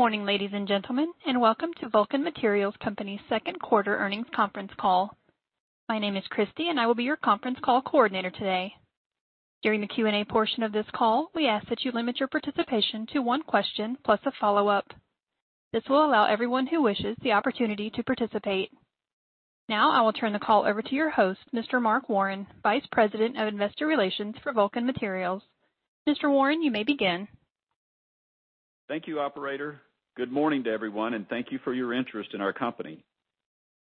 Good morning, ladies and gentlemen, and welcome to Vulcan Materials Company's second quarter earnings conference call. My name is Christy and I will be your conference call coordinator today. During the Q&A portion of this call, we ask that you limit your participation to one question plus a follow-up. This will allow everyone who wishes the opportunity to participate. Now I will turn the call over to your host, Mr. Mark Warren, Vice President of Investor Relations for Vulcan Materials. Mr. Warren, you may begin. Thank you, operator. Good morning to everyone. Thank you for your interest in our company.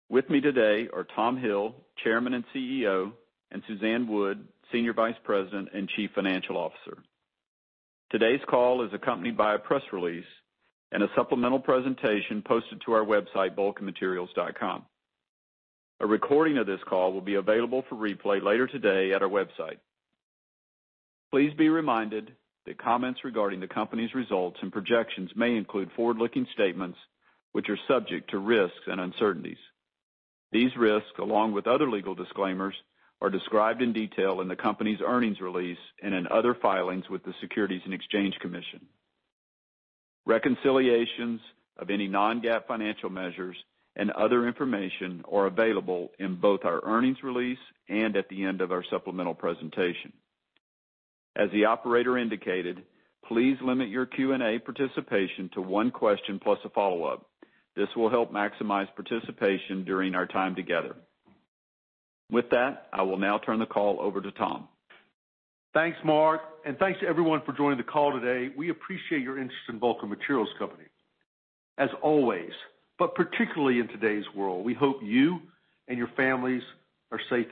With me today are Tom Hill, Chairman and CEO, and Suzanne Wood, Senior Vice President and Chief Financial Officer. Today's call is accompanied by a press release and a supplemental presentation posted to our website, vulcanmaterials.com. A recording of this call will be available for replay later today at our website. Please be reminded that comments regarding the company's results and projections may include forward-looking statements, which are subject to risks and uncertainties. These risks, along with other legal disclaimers, are described in detail in the company's earnings release and in other filings with the Securities and Exchange Commission. Reconciliations of any non-GAAP financial measures and other information are available in both our earnings release and at the end of our supplemental presentation. As the operator indicated, please limit your Q&A participation to one question plus a follow-up. This will help maximize participation during our time together. With that, I will now turn the call over to Tom. Thanks, Mark, and thanks to everyone for joining the call today. We appreciate your interest in Vulcan Materials Company. As always, but particularly in today's world, we hope you and your families are safe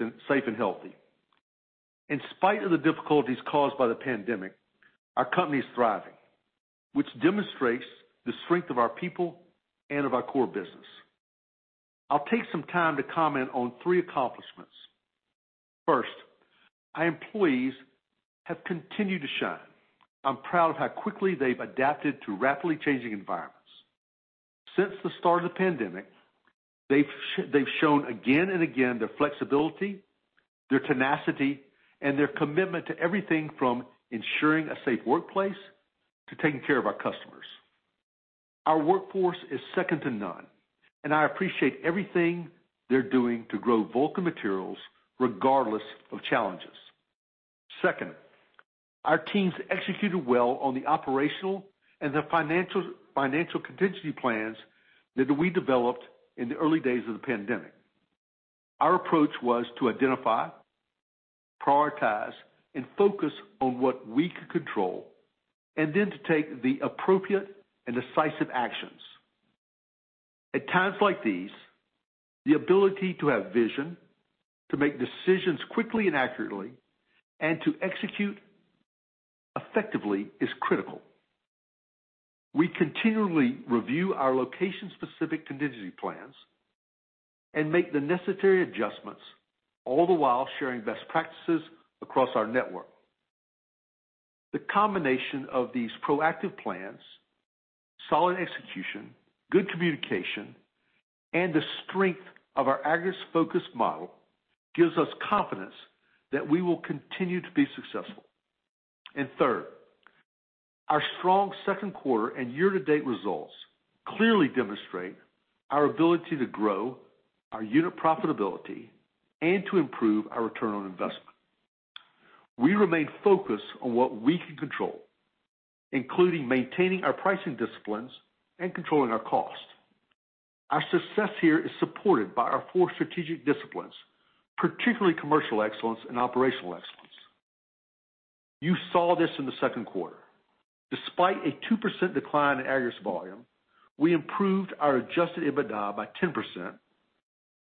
and healthy. In spite of the difficulties caused by the pandemic, our company is thriving, which demonstrates the strength of our people and of our core business. I'll take some time to comment on three accomplishments. First, our employees have continued to shine. I'm proud of how quickly they've adapted to rapidly changing environments. Since the start of the pandemic, they've shown again and again their flexibility, their tenacity, and their commitment to everything from ensuring a safe workplace to taking care of our customers. Our workforce is second to none, and I appreciate everything they're doing to grow Vulcan Materials regardless of challenges. Our teams executed well on the operational and the financial contingency plans that we developed in the early days of the pandemic. Our approach was to identify, prioritize, focus on what we could control, then to take the appropriate and decisive actions. At times like these, the ability to have vision, to make decisions quickly and accurately, and to execute effectively is critical. We continually review our location-specific contingency plans and make the necessary adjustments, all the while sharing best practices across our network. The combination of these proactive plans, solid execution, good communication, and the strength of our aggregates-focused model gives us confidence that we will continue to be successful. Third, our strong second quarter and year-to-date results clearly demonstrate our ability to grow our unit profitability and to improve our return on investment. We remain focused on what we can control, including maintaining our pricing disciplines and controlling our cost. Our success here is supported by our four strategic disciplines, particularly commercial excellence and operational excellence. You saw this in the second quarter. Despite a 2% decline in aggregates volume, we improved our adjusted EBITDA by 10%,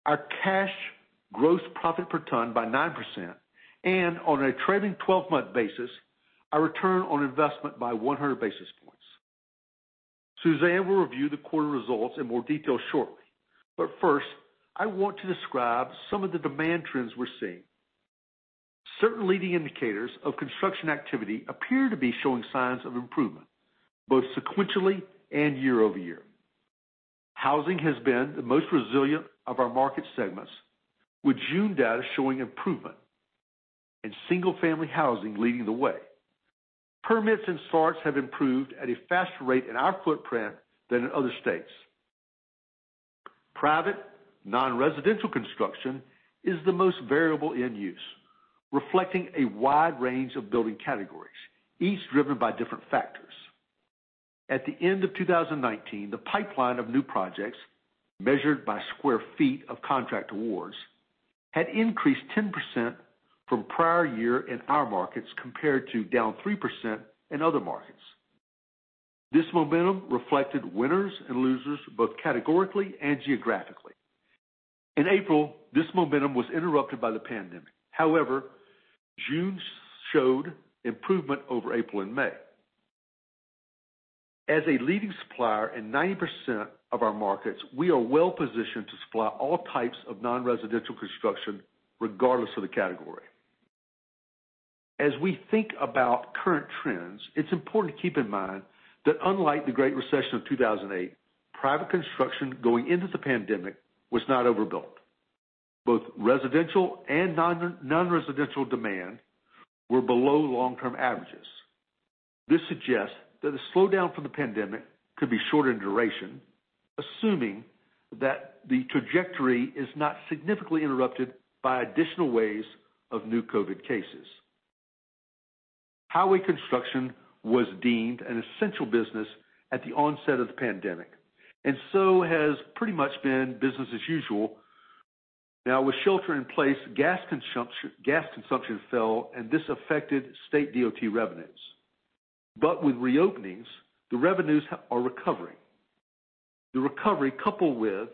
our cash gross profit per ton by 9%, and on a trailing 12-month basis, our return on investment by 100 basis points. Suzanne will review the quarter results in more detail shortly. First, I want to describe some of the demand trends we're seeing. Certain leading indicators of construction activity appear to be showing signs of improvement, both sequentially and year-over-year. Housing has been the most resilient of our market segments, with June data showing improvement, and single-family housing leading the way. Permits and starts have improved at a faster rate in our footprint than in other states. Private, non-residential construction is the most variable end use, reflecting a wide range of building categories, each driven by different factors. At the end of 2019, the pipeline of new projects measured by square feet of contract awards, had increased 10% from prior year in our markets compared to down 3% in other markets. This momentum reflected winners and losers, both categorically and geographically. In April, this momentum was interrupted by the pandemic. However, June showed improvement over April and May. As a leading supplier in 90% of our markets, we are well-positioned to supply all types of non-residential construction regardless of the category. As we think about current trends, it is important to keep in mind that unlike the Great Recession of 2008, private construction going into the pandemic was not overbuilt. Both residential and non-residential demand were below long-term averages. This suggests that a slowdown from the pandemic could be short in duration, assuming that the trajectory is not significantly interrupted by additional waves of new COVID-19 cases. Highway construction was deemed an essential business at the onset of the pandemic, has pretty much been business as usual. Now with shelter in place, gas consumption fell, and this affected state DOT revenues. With reopenings, the revenues are recovering. The recovery, coupled with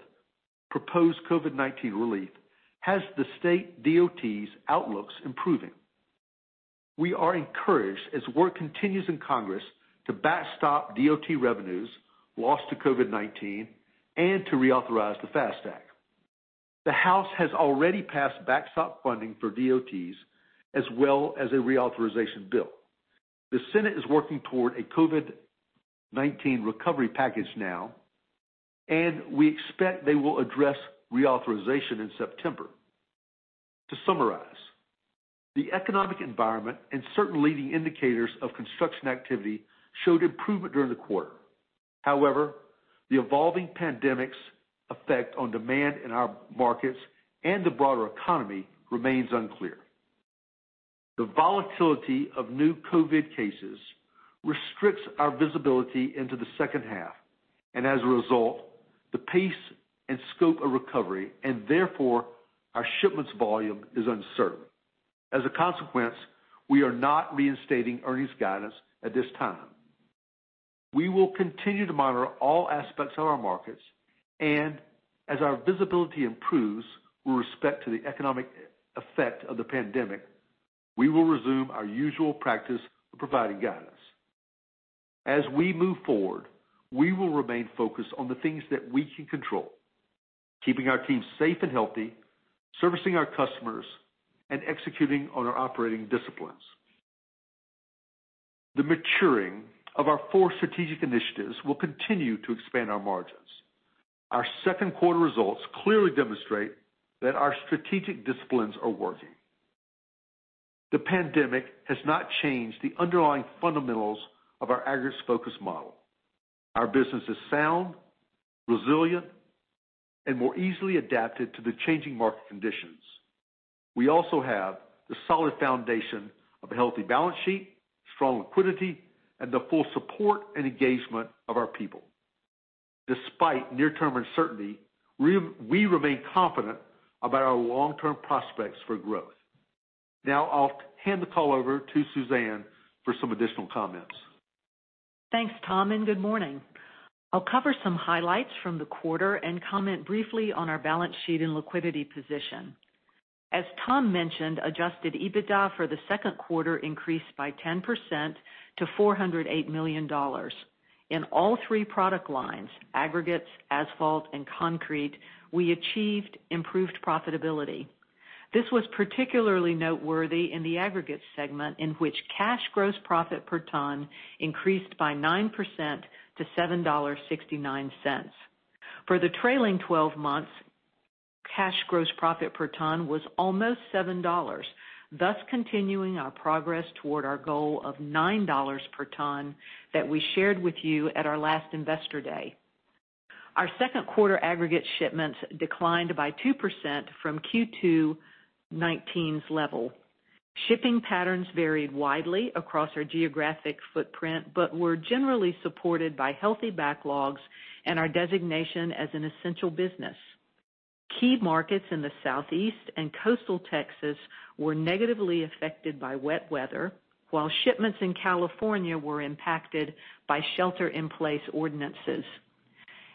proposed COVID-19 relief, has the state DOT's outlooks improving. We are encouraged as work continues in Congress to backstop DOT revenues lost to COVID-19 and to reauthorize the FAST Act. The House has already passed backstop funding for DOTs, as well as a reauthorization bill. The Senate is working toward a COVID-19 recovery package now, and we expect they will address reauthorization in September. To summarize, the economic environment and certain leading indicators of construction activity showed improvement during the quarter. However, the evolving pandemic's effect on demand in our markets and the broader economy remains unclear. The volatility of new COVID cases restricts our visibility into the second half, and as a result, the pace and scope of recovery, and therefore, our shipments volume, is uncertain. As a consequence, we are not reinstating earnings guidance at this time. We will continue to monitor all aspects of our markets, and as our visibility improves with respect to the economic effect of the pandemic, we will resume our usual practice of providing guidance. As we move forward, we will remain focused on the things that we can control, keeping our team safe and healthy, servicing our customers, and executing on our operating disciplines. The maturing of our four strategic initiatives will continue to expand our margins. Our second quarter results clearly demonstrate that our strategic disciplines are working. The pandemic has not changed the underlying fundamentals of our aggregates-focused model. Our business is sound, resilient, and we're easily adapted to the changing market conditions. We also have the solid foundation of a healthy balance sheet, strong liquidity, and the full support and engagement of our people. Despite near-term uncertainty, we remain confident about our long-term prospects for growth. Now, I'll hand the call over to Suzanne for some additional comments. Thanks, Tom, and good morning. I'll cover some highlights from the quarter and comment briefly on our balance sheet and liquidity position. As Tom mentioned, adjusted EBITDA for the second quarter increased by 10% to $408 million. In all three product lines, aggregates, asphalt, and concrete, we achieved improved profitability. This was particularly noteworthy in the aggregates segment, in which cash gross profit per ton increased by 9% to $7.69. For the trailing 12 months, cash gross profit per ton was almost $7, thus continuing our progress toward our goal of $9 per ton that we shared with you at our last Investor Day. Our second quarter aggregate shipments declined by 2% from Q2 2019's level. Shipping patterns varied widely across our geographic footprint, but were generally supported by healthy backlogs and our designation as an essential business. Key markets in the Southeast and coastal Texas were negatively affected by wet weather, while shipments in California were impacted by shelter-in-place ordinances.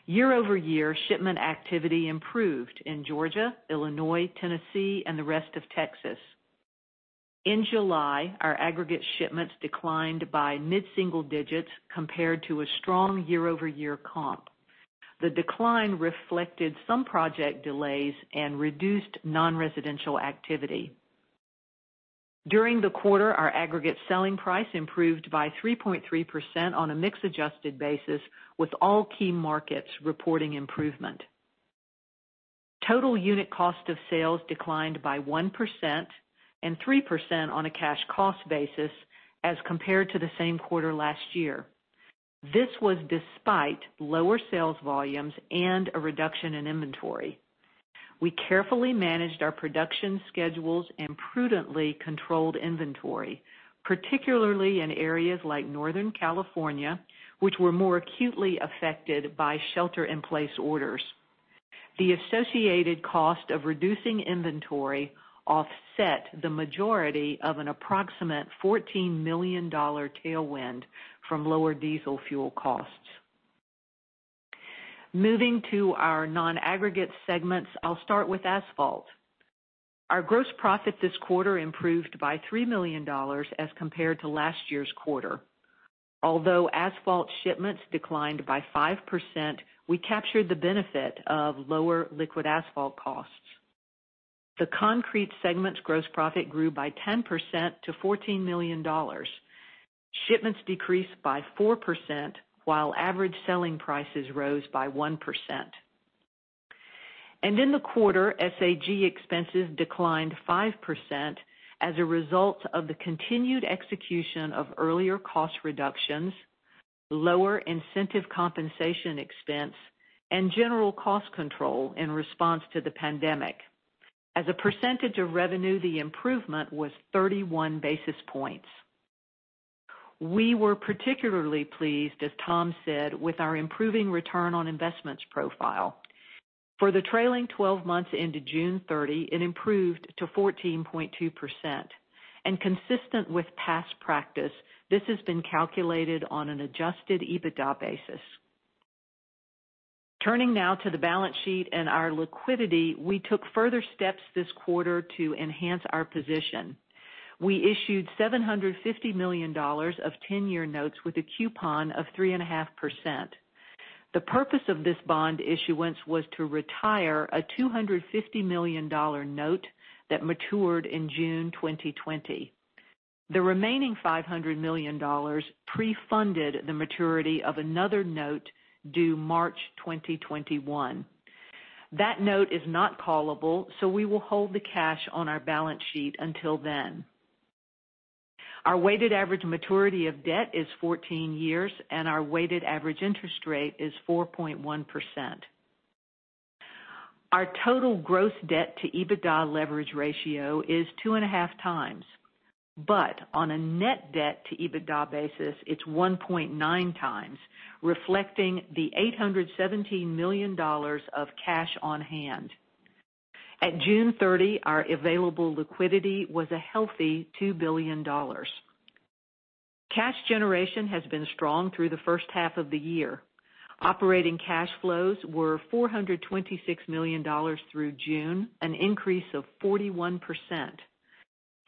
Year-over-year, shipment activity improved in Georgia, Illinois, Tennessee, and the rest of Texas. In July, our aggregate shipments declined by mid-single-digits compared to a strong year-over-year comp. The decline reflected some project delays and reduced non-residential activity. During the quarter, our aggregate selling price improved by 3.3% on a mix-adjusted basis, with all key markets reporting improvement. Total unit cost of sales declined by 1% and 3% on a cash cost basis as compared to the same quarter last year. This was despite lower sales volumes and a reduction in inventory. We carefully managed our production schedules and prudently controlled inventory, particularly in areas like Northern California, which were more acutely affected by shelter-in-place orders. The associated cost of reducing inventory offset the majority of an approximate $14 million tailwind from lower diesel fuel costs. Moving to our non-aggregate segments, I'll start with asphalt. Our gross profit this quarter improved by $3 million as compared to last year's quarter. Although asphalt shipments declined by 5%, we captured the benefit of lower liquid asphalt costs. The concrete segment's gross profit grew by 10% to $14 million. Shipments decreased by 4%, while average selling prices rose by 1%. In the quarter, SG&A expenses declined 5% as a result of the continued execution of earlier cost reductions, lower incentive compensation expense, and general cost control in response to the pandemic. As a percentage of revenue, the improvement was 31 basis points. We were particularly pleased, as Tom said, with our improving return on investments profile. For the trailing 12 months into June 30, it improved to 14.2%. Consistent with past practice, this has been calculated on an adjusted EBITDA basis. Turning now to the balance sheet and our liquidity, we took further steps this quarter to enhance our position. We issued $750 million of 10-year notes with a coupon of 3.5%. The purpose of this bond issuance was to retire a $250 million note that matured in June 2020. The remaining $500 million pre-funded the maturity of another note due March 2021. That note is not callable, so we will hold the cash on our balance sheet until then. Our weighted average maturity of debt is 14 years, and our weighted average interest rate is 4.1%. Our total gross debt to EBITDA leverage ratio is 2.5x, but on a net debt to EBITDA basis, it's 1.9x, reflecting the $817 million of cash on hand. At June 30, our available liquidity was a healthy $2 billion. Cash generation has been strong through the first half of the year. Operating cash flows were $426 million through June, an increase of 41%.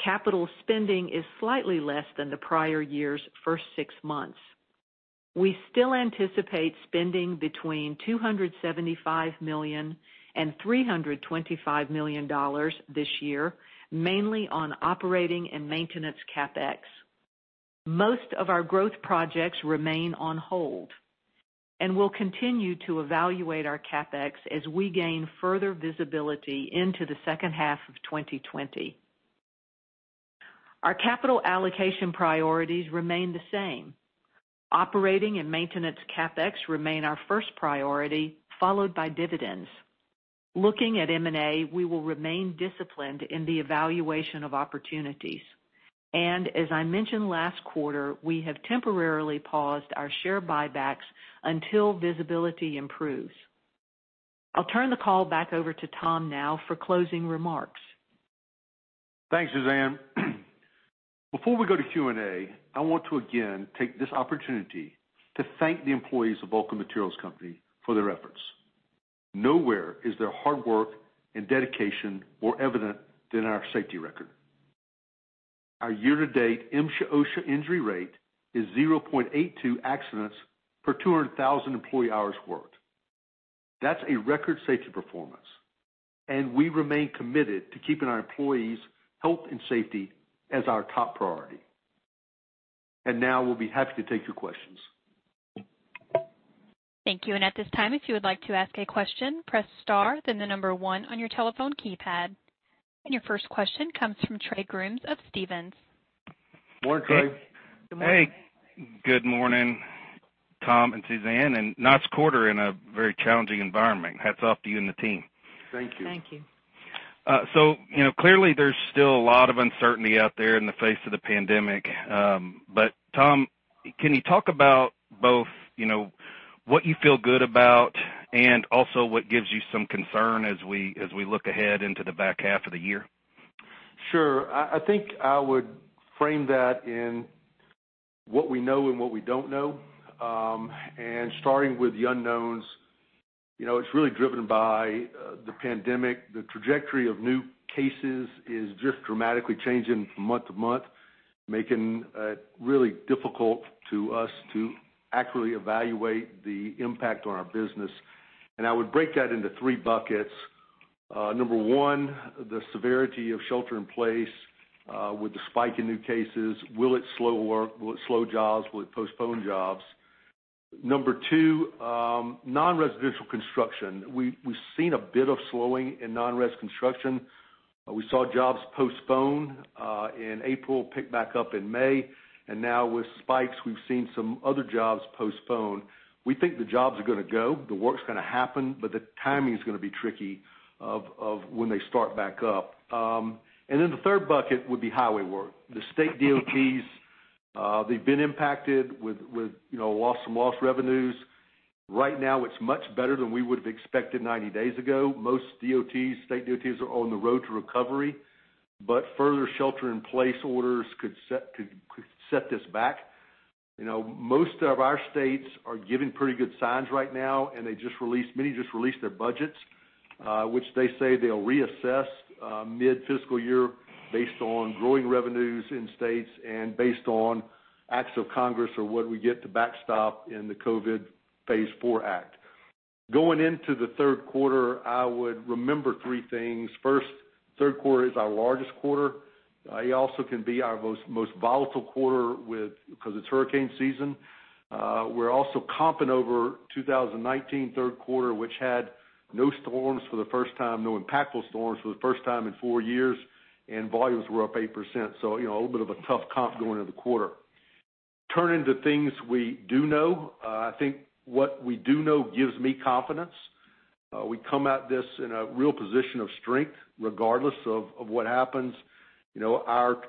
Capital spending is slightly less than the prior year's first six months. We still anticipate spending between $275 million and $325 million this year, mainly on operating and maintenance CapEx. Most of our growth projects remain on hold, and we'll continue to evaluate our CapEx as we gain further visibility into the second half of 2020. Our capital allocation priorities remain the same. Operating and maintenance CapEx remain our first priority, followed by dividends. Looking at M&A, we will remain disciplined in the evaluation of opportunities. As I mentioned last quarter, we have temporarily paused our share buybacks until visibility improves. I'll turn the call back over to Tom now for closing remarks. Thanks, Suzanne. Before we go to Q&A, I want to again take this opportunity to thank the employees of Vulcan Materials Company for their efforts. Nowhere is their hard work and dedication more evident than our safety record. Our year-to-date MSHA/OSHA injury rate is 0.82 accidents per 200,000 employee hours worked. That's a record safety performance, and we remain committed to keeping our employees' health and safety as our top priority. Now we'll be happy to take your questions. Thank you. At this time, if you would like to ask a question, press star, then the number one on your telephone keypad. Your first question comes from Trey Grooms of Stephens. Morning, Trey. Good morning. Hey. Good morning, Tom and Suzanne, and nice quarter in a very challenging environment. Hats off to you and the team. Thank you. Thank you. Clearly there's still a lot of uncertainty out there in the face of the pandemic. Tom, can you talk about both what you feel good about and also what gives you some concern as we look ahead into the back half of the year? Sure. I think I would frame that in what we know and what we don't know. Starting with the unknowns, it's really driven by the pandemic. The trajectory of new cases is just dramatically changing from month to month, making it really difficult to us to accurately evaluate the impact on our business. I would break that into three buckets. Number one, the severity of shelter in place with the spike in new cases, will it slow work? Will it slow jobs? Will it postpone jobs? Number two, non-residential construction. We've seen a bit of slowing in non-res construction. We saw jobs postponed in April, pick back up in May, and now with spikes, we've seen some other jobs postponed. We think the jobs are going to go, the work's going to happen, but the timing's going to be tricky of when they start back up. The third bucket would be highway work. The state DOTs, they've been impacted with loss of revenues. Right now, it's much better than we would've expected 90 days ago. Most DOTs, state DOTs, are on the road to recovery. Further shelter-in-place orders could set this back. Most of our states are giving pretty good signs right now, and many just released their budgets, which they say they'll reassess mid-fiscal year based on growing revenues in states and based on acts of Congress or what we get to backstop in the COVID phase IV Act. Going into the third quarter, I would remember three things. First, third quarter is our largest quarter. It also can be our most volatile quarter because it's hurricane season. We're also comping over 2019 third quarter, which had no storms for the first time, no impactful storms for the first time in four years, and volumes were up 8%. A little bit of a tough comp going into the quarter. Turning to things we do know, I think what we do know gives me confidence. We come at this in a real position of strength, regardless of what happens. Our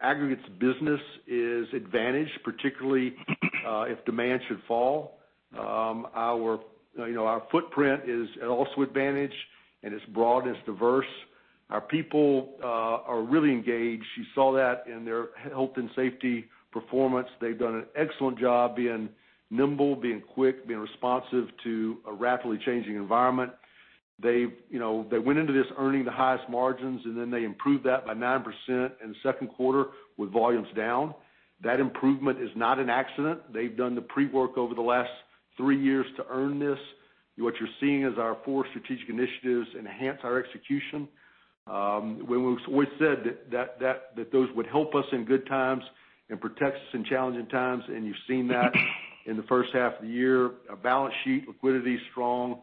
aggregates business is advantaged, particularly if demand should fall. Our footprint is also advantaged, and it's broad and it's diverse. Our people are really engaged. You saw that in their health and safety performance. They've done an excellent job being nimble, being quick, being responsive to a rapidly changing environment. They went into this earning the highest margins, and then they improved that by 9% in the second quarter with volumes down. That improvement is not an accident. They've done the pre-work over the last three years to earn this. What you're seeing is our four strategic initiatives enhance our execution. We always said that those would help us in good times and protect us in challenging times, and you've seen that in the first half of the year. Our balance sheet liquidity is strong.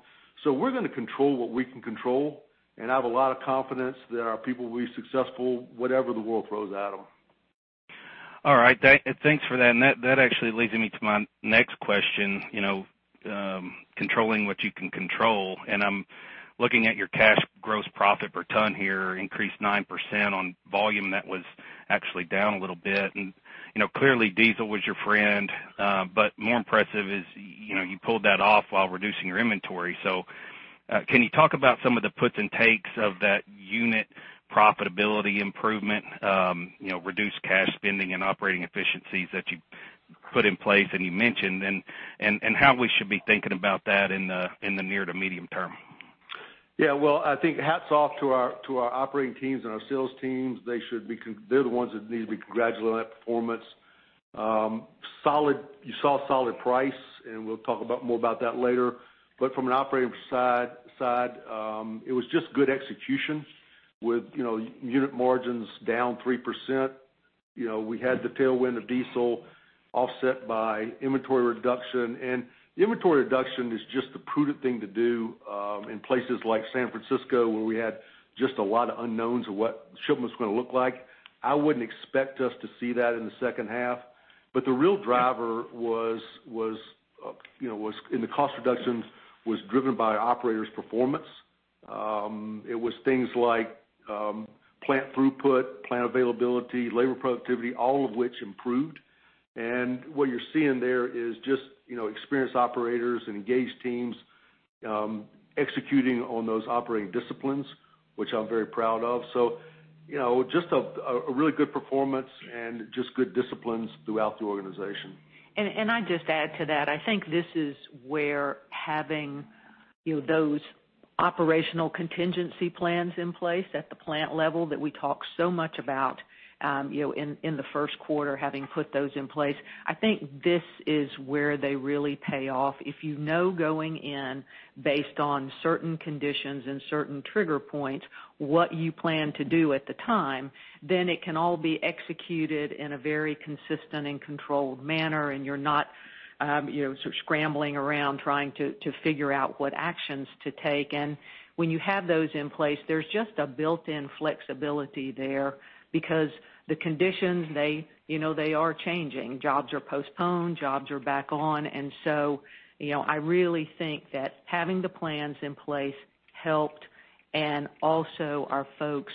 We're going to control what we can control, and I have a lot of confidence that our people will be successful, whatever the world throws at them. All right. Thanks for that. That actually leads me to my next question, controlling what you can control. I'm looking at your cash gross profit per ton here, increased 9% on volume that was actually down a little bit. Clearly, diesel was your friend. More impressive is you pulled that off while reducing your inventory. Can you talk about some of the puts and takes of that unit profitability improvement, reduced cash spending and operating efficiencies that you put in place and you mentioned, and how we should be thinking about that in the near to medium term? I think hats off to our operating teams and our sales teams. They're the ones that need to be congratulated on that performance. You saw a solid price, and we'll talk more about that later. From an operating side, it was just good execution with unit margins down 3%. We had the tailwind of diesel offset by inventory reduction. The inventory reduction is just the prudent thing to do in places like San Francisco, where we had just a lot of unknowns of what shipment was going to look like. I wouldn't expect us to see that in the second half. The real driver was in the cost reductions, was driven by operators' performance. It was things like plant throughput, plant availability, labor productivity, all of which improved. What you're seeing there is just experienced operators and engaged teams executing on those operating disciplines, which I'm very proud of. Just a really good performance and just good disciplines throughout the organization. I just add to that. I think this is where having those operational contingency plans in place at the plant level that we talked so much about in the first quarter, having put those in place, I think this is where they really pay off. If you know going in based on certain conditions and certain trigger points what you plan to do at the time, then it can all be executed in a very consistent and controlled manner, and you're not scrambling around trying to figure out what actions to take. When you have those in place, there's just a built-in flexibility there because the conditions, they are changing. Jobs are postponed, jobs are back on. I really think that having the plans in place helped, and also our folks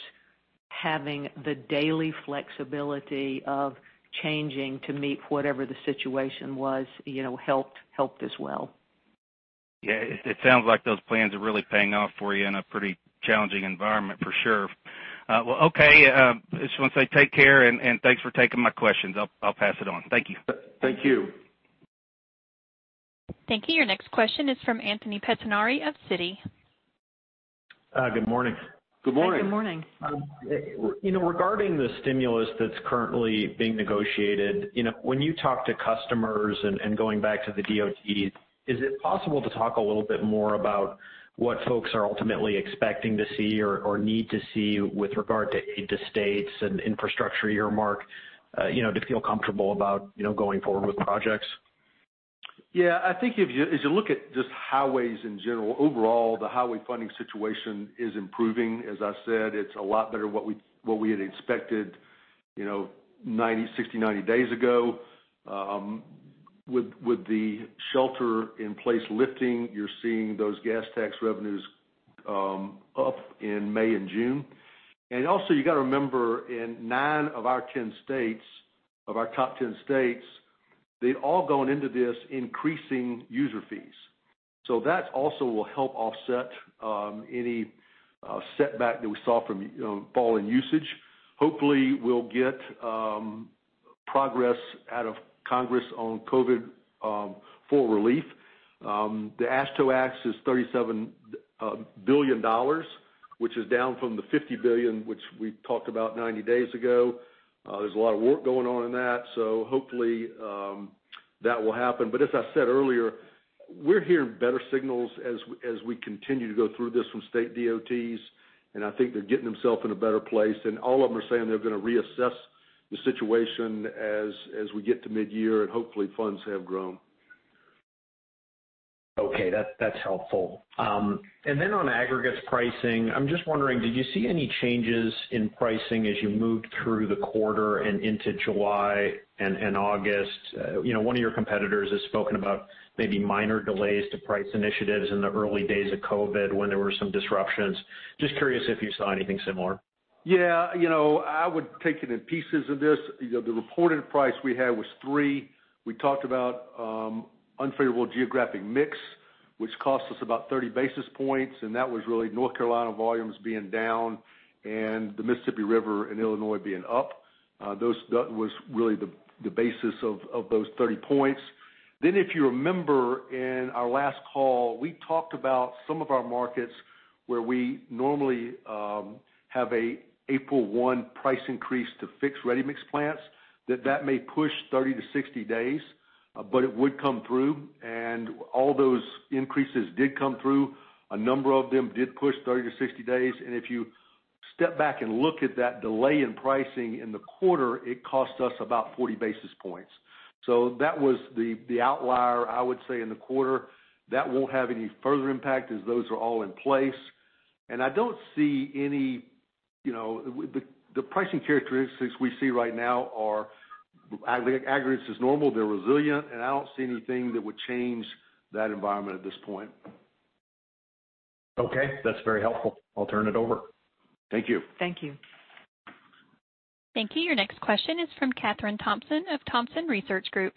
having the daily flexibility of changing to meet whatever the situation was helped as well. Yeah. It sounds like those plans are really paying off for you in a pretty challenging environment for sure. Okay. I just want to say take care and thanks for taking my questions. I'll pass it on. Thank you. Thank you. Thank you. Your next question is from Anthony Pettinari of Citi. Good morning. Good morning. Good morning. Regarding the stimulus that's currently being negotiated, when you talk to customers and going back to the DOTs, is it possible to talk a little bit more about what folks are ultimately expecting to see or need to see with regard to aid to states and infrastructure earmark to feel comfortable about going forward with projects? Yeah. I think as you look at just highways in general, overall, the highway funding situation is improving. As I said, it's a lot better what we had expected 60, 90 days ago. With the shelter in place lifting, you're seeing those gas tax revenues up in May and June. Also, you got to remember, in nine of our 10 states, of our top 10 states, they'd all gone into this increasing user fees. That also will help offset any setback that we saw from fall in usage. Hopefully, we'll get progress out of Congress on COVID for relief. The AASHTO ask is $37 billion, which is down from the $50 billion, which we talked about 90 days ago. There's a lot of work going on in that, hopefully, that will happen. As I said earlier, we're hearing better signals as we continue to go through this from state DOTs, and I think they're getting themselves in a better place, and all of them are saying they're going to reassess the situation as we get to midyear, and hopefully funds have grown. Okay. That's helpful. Then on aggregates pricing, I'm just wondering, did you see any changes in pricing as you moved through the quarter and into July and August? One of your competitors has spoken about maybe minor delays to price initiatives in the early days of COVID when there were some disruptions. Just curious if you saw anything similar. Yeah. I would take it in pieces of this. The reported price we had was three. We talked about unfavorable geographic mix, which cost us about 30 basis points, and that was really North Carolina volumes being down and the Mississippi River and Illinois being up. That was really the basis of those 30 points. If you remember, in our last call, we talked about some of our markets where we normally have a April 1 price increase to fixed ready-mix plants, that that may push 30-60 days, but it would come through. All those increases did come through. A number of them did push 30-60 days. If you step back and look at that delay in pricing in the quarter, it cost us about 40 basis points. That was the outlier, I would say, in the quarter. That won't have any further impact, as those are all in place. The pricing characteristics we see right now are aggregates is normal, they're resilient, and I don't see anything that would change that environment at this point. Okay. That's very helpful. I'll turn it over. Thank you. Thank you. Thank you. Your next question is from Kathryn Thompson of Thompson Research Group.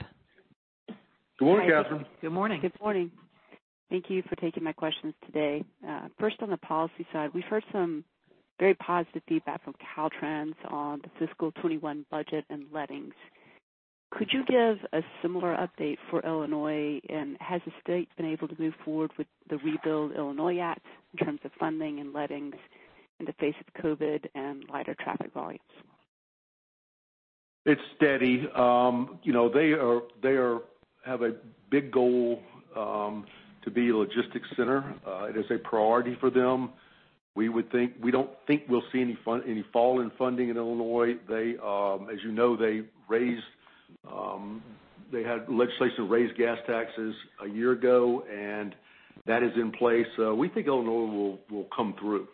Good morning, Kathryn. Good morning. Good morning. Thank you for taking my questions today. First on the policy side, we've heard some very positive feedback from Caltrans on the fiscal 2021 budget and lettings. Could you give a similar update for Illinois? Has the state been able to move forward with the Rebuild Illinois Act in terms of funding and lettings in the face of COVID and lighter traffic volumes? It's steady. They have a big goal to be a logistics center. It is a priority for them. We don't think we'll see any fall in funding in Illinois. As you know, they had legislation to raise gas taxes a year ago, and that is in place. We think Illinois will come through,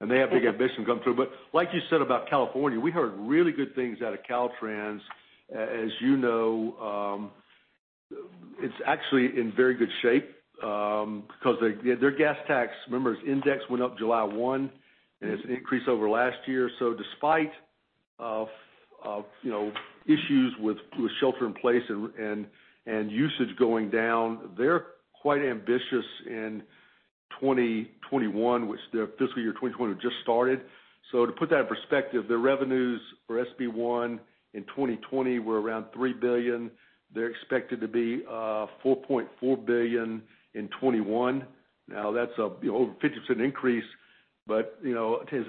and they have big ambitions come through. Like you said about California, we heard really good things out of Caltrans. As you know, it's actually in very good shape because their gas tax, remember, its index went up July 1, and it's increased over last year. Despite of issues with shelter in place and usage going down, they're quite ambitious in 2021, which their fiscal year 2021 just started. To put that in perspective, their revenues for SB1 in 2020 were around $3 billion. They're expected to be $4.4 billion in 2021. Now, that's over a 50% increase. As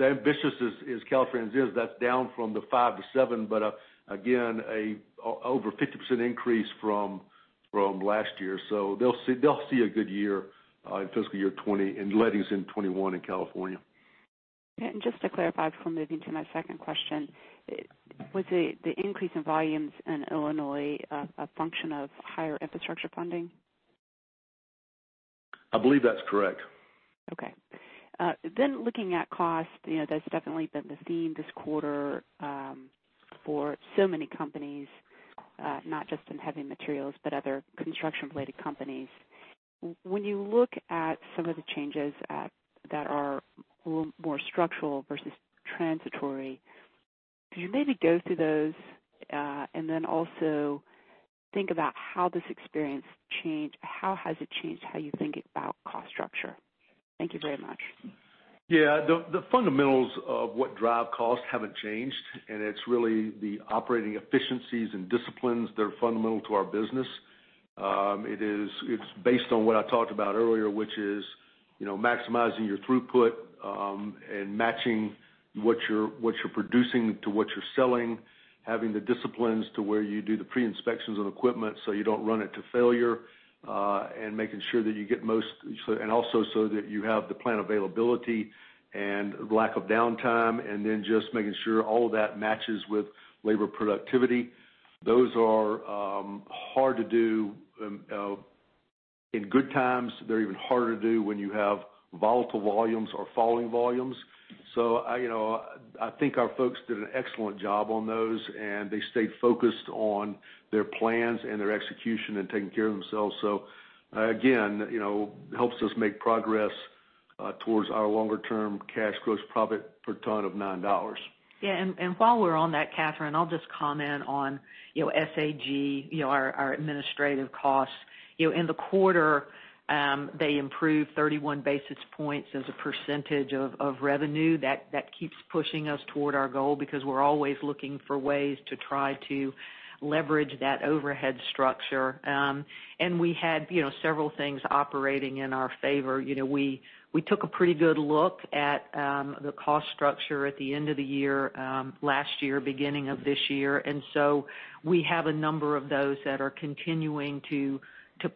ambitious as Caltrans is, that's down from the five to seven, but again, a over 50% increase from last year. They'll see a good year in lettings in 2021 in California. Just to clarify before moving to my second question, was the increase in volumes in Illinois a function of higher infrastructure funding? I believe that's correct. Looking at cost, that's definitely been the theme this quarter for so many companies, not just in heavy materials, but other construction-related companies. When you look at some of the changes that are more structural versus transitory, could you maybe go through those and then also think about how this experience changed? How has it changed how you think about cost structure? Thank you very much. Yeah. The fundamentals of what drive costs haven't changed, it's really the operating efficiencies and disciplines that are fundamental to our business. It's based on what I talked about earlier, which is maximizing your throughput, matching what you're producing to what you're selling, having the disciplines to where you do the pre-inspections on equipment, so you don't run it to failure, also so that you have the plant availability and lack of downtime, just making sure all of that matches with labor productivity. Those are hard to do in good times. They're even harder to do when you have volatile volumes or falling volumes. I think our folks did an excellent job on those, they stayed focused on their plans and their execution and taking care of themselves. Again, helps us make progress towards our longer-term cash gross profit per ton of $9. Yeah, while we're on that, Kathryn, I'll just comment on SG&A, our administrative costs. In the quarter, they improved 31 basis points as a percentage of revenue. That keeps pushing us toward our goal because we're always looking for ways to try to leverage that overhead structure. We had several things operating in our favor. We took a pretty good look at the cost structure at the end of the year, last year, beginning of this year. We have a number of those that are continuing to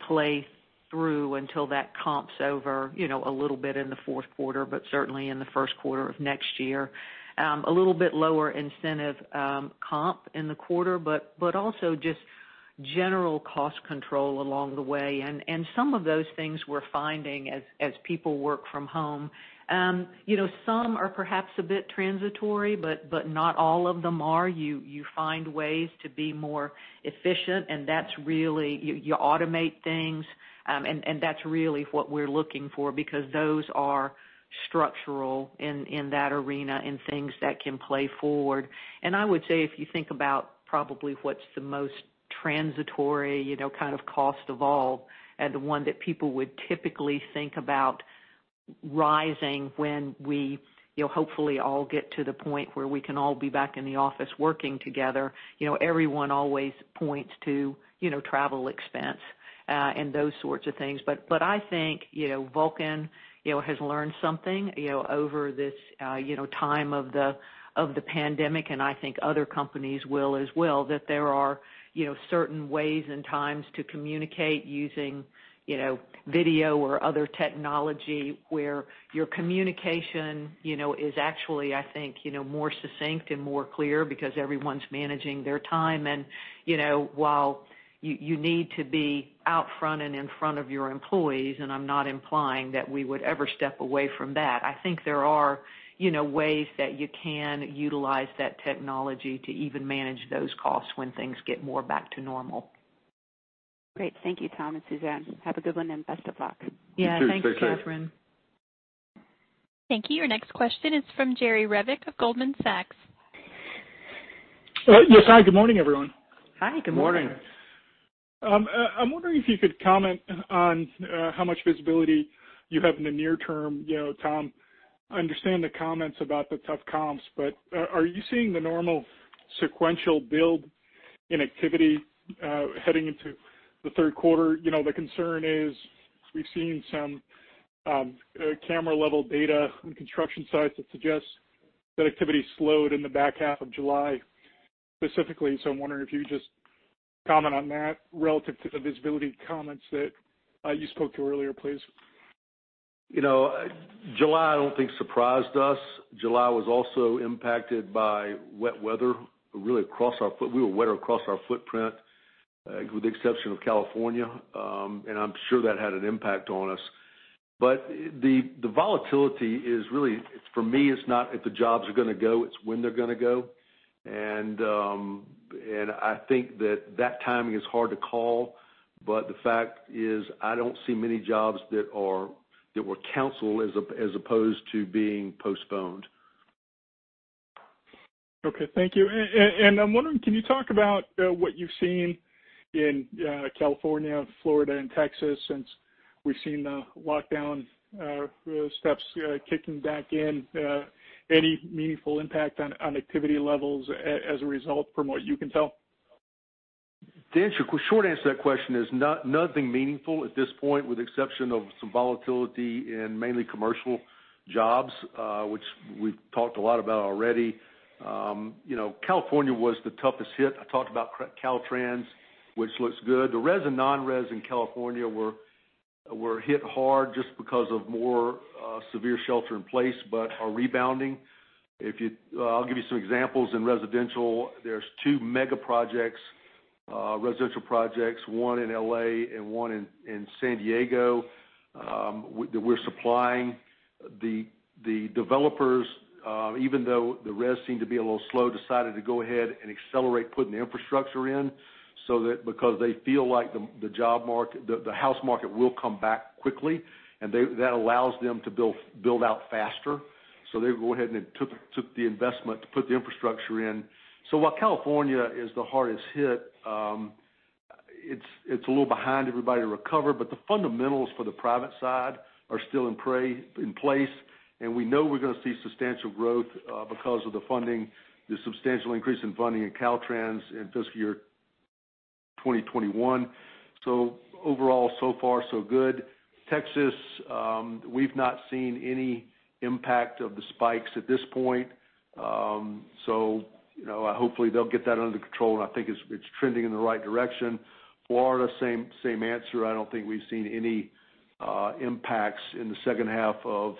play through until that comps over, a little bit in the fourth quarter, but certainly in the first quarter of next year. A little bit lower incentive comp in the quarter, but also just general cost control along the way. Some of those things we're finding as people work from home. Some are perhaps a bit transitory, but not all of them are. You find ways to be more efficient, and you automate things. That's really what we're looking for because those are structural in that arena and things that can play forward. I would say if you think about probably what's the most transitory kind of cost of all, and the one that people would typically think about rising when we hopefully all get to the point where we can all be back in the office working together. Everyone always points to travel expense, and those sorts of things. I think Vulcan has learned something over this time of the pandemic, and I think other companies will as well, that there are certain ways and times to communicate using video or other technology where your communication is actually, I think, more succinct and more clear because everyone's managing their time. While you need to be out front and in front of your employees, and I'm not implying that we would ever step away from that. I think there are ways that you can utilize that technology to even manage those costs when things get more back to normal. Great. Thank you, Tom and Suzanne. Have a good one and best of luck. Yeah. Thanks, Kathryn. You too. Take care. Thank you. Your next question is from Jerry Revich of Goldman Sachs. Yes. Hi, good morning, everyone. Hi, good morning. Morning. I'm wondering if you could comment on how much visibility you have in the near term. Tom, I understand the comments about the tough comps, but are you seeing the normal sequential build in activity heading into the third quarter? The concern is we've seen some camera-level data on construction sites that suggests that activity slowed in the back half of July, specifically. I'm wondering if you could just comment on that relative to the visibility comments that you spoke to earlier, please. July, I don't think surprised us. July was also impacted by wet weather really across our footprint. We were wetter across our footprint, with the exception of California. I'm sure that had an impact on us. The volatility is really, for me, it's not if the jobs are going to go, it's when they're going to go. I think that that timing is hard to call. The fact is I don't see many jobs that were canceled as opposed to being postponed. Okay. Thank you. I'm wondering, can you talk about what you've seen in California, Florida, and Texas since we've seen the lockdown steps kicking back in? Any meaningful impact on activity levels as a result from what you can tell? The short answer to that question is nothing meaningful at this point, with the exception of some volatility in mainly commercial jobs, which we've talked a lot about already. California was the toughest hit. I talked about Caltrans, which looks good. The res and non-res in California were hit hard just because of more severe shelter in place, but are rebounding. I'll give you some examples. In residential, there's two mega projects, residential projects, one in L.A. and one in San Diego, that we're supplying. The developers, even though the res seemed to be a little slow, decided to go ahead and accelerate putting the infrastructure in because they feel like the house market will come back quickly, and that allows them to build out faster. They went ahead and took the investment to put the infrastructure in. While California is the hardest hit, it's a little behind everybody to recover, but the fundamentals for the private side are still in place, and we know we're going to see substantial growth because of the substantial increase in funding in Caltrans in fiscal year 2021. Overall, so far so good. Texas, we've not seen any impact of the spikes at this point. Hopefully they'll get that under control, and I think it's trending in the right direction. Florida, same answer. I don't think we've seen any impacts in the second half of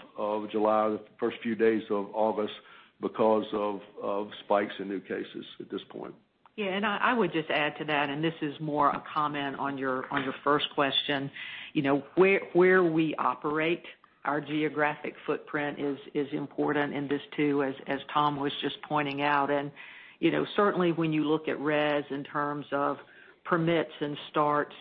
July, the first few days of August because of spikes in new cases at this point. Yeah. I would just add to that, and this is more a comment on your first question. Where we operate, our geographic footprint is important in this too, as Tom was just pointing out. Certainly when you look at res in terms of permits and starts,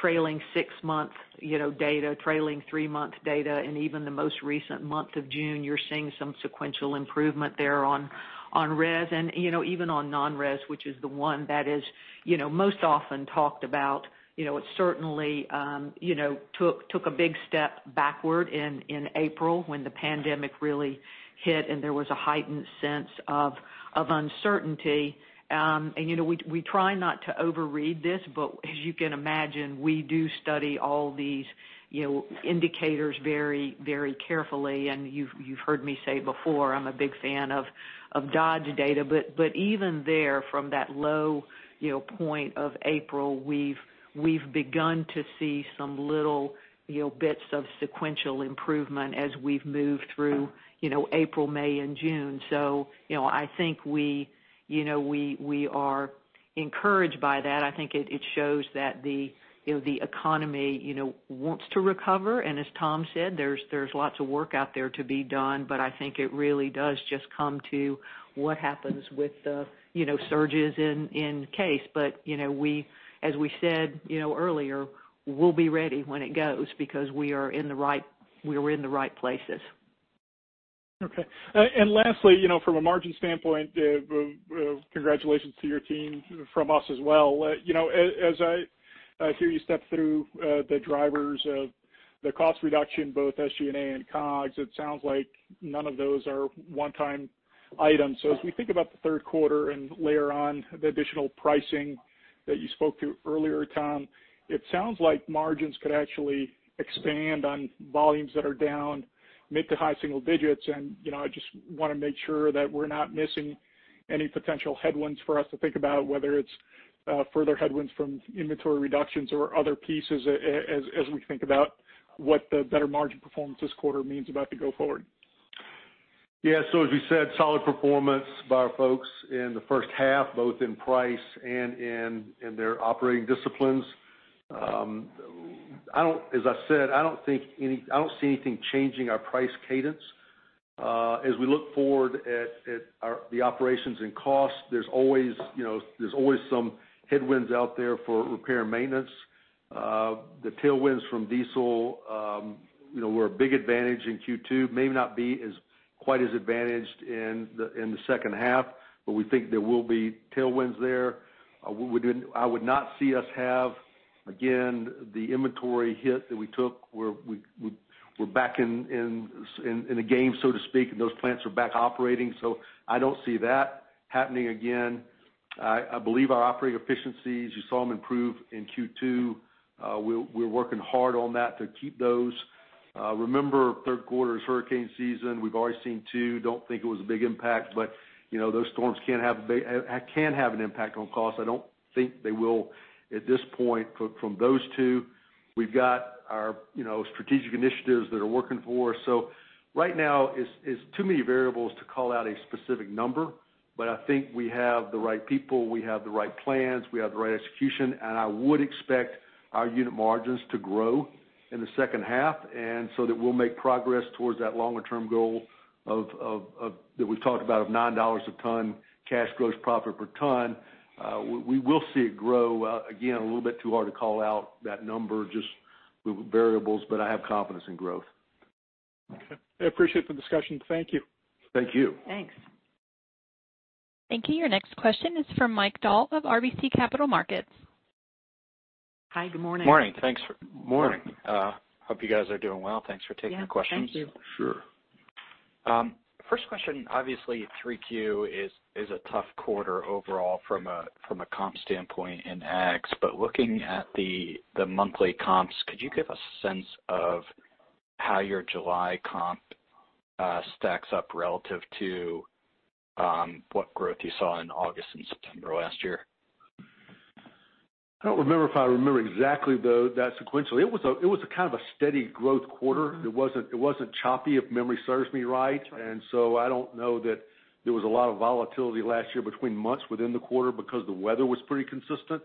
trailing six months data, trailing three months data, and even the most recent month of June, you're seeing some sequential improvement there on res. Even on non-res, which is the one that is most often talked about. It certainly took a big step backward in April when the pandemic really hit and there was a heightened sense of uncertainty. We try not to overread this, but as you can imagine, we do study all these indicators very carefully. You've heard me say before, I'm a big fan of Dodge Data. Even there, from that low point of April, we've begun to see some little bits of sequential improvement as we've moved through April, May, and June. I think we are encouraged by that. I think it shows that the economy wants to recover, and as Tom said, there's lots of work out there to be done, but I think it really does just come to what happens with the surges in case. As we said earlier, we'll be ready when it goes because we were in the right places. Okay. Lastly, from a margin standpoint, congratulations to your team from us as well. As I hear you step through the drivers of the cost reduction, both SG&A and COGS, it sounds like none of those are one-time items. As we think about the third quarter and later on, the additional pricing that you spoke to earlier, Tom, it sounds like margins could actually expand on volumes that are down mid to high single digits. I just want to make sure that we're not missing any potential headwinds for us to think about, whether it's further headwinds from inventory reductions or other pieces as we think about what the better margin performance this quarter means about the go forward. Yeah. As we said, solid performance by our folks in the first half, both in price and in their operating disciplines. As I said, I don't see anything changing our price cadence. As we look forward at the operations and costs, there's always some headwinds out there for repair and maintenance. The tailwinds from diesel, were a big advantage in Q2. May not be quite as advantaged in the second half, we think there will be tailwinds there. I would not see us have, again, the inventory hit that we took, where we're back in the game, so to speak, and those plants are back operating. I don't see that happening again. I believe our operating efficiencies, you saw them improve in Q2. We're working hard on that to keep those. Remember, third quarter is hurricane season. We've already seen two. Don't think it was a big impact, but those storms can have an impact on costs. I don't think they will at this point from those two. We've got our strategic initiatives that are working for us. Right now it's too many variables to call out a specific number, but I think we have the right people, we have the right plans, we have the right execution, and I would expect our unit margins to grow in the second half. That we'll make progress towards that longer-term goal that we've talked about of $9 a ton cash gross profit per ton. We will see it grow. Again, a little bit too hard to call out that number, just variables, but I have confidence in growth. Okay. I appreciate the discussion. Thank you. Thank you. Thanks. Thank you. Your next question is from Mike Dahl of RBC Capital Markets. Hi, good morning. Morning. Thanks. Morning. Hope you guys are doing well. Thanks for taking the questions. Yeah. Thank you. Sure. First question, obviously 3Q is a tough quarter overall from a comp standpoint in ag, but looking at the monthly comps, could you give a sense of how your July comp stacks up relative to what growth you saw in August and September last year? I don't remember if I remember exactly that sequentially. It was a kind of a steady growth quarter. It wasn't choppy, if memory serves me right. I don't know that there was a lot of volatility last year between months within the quarter because the weather was pretty consistent.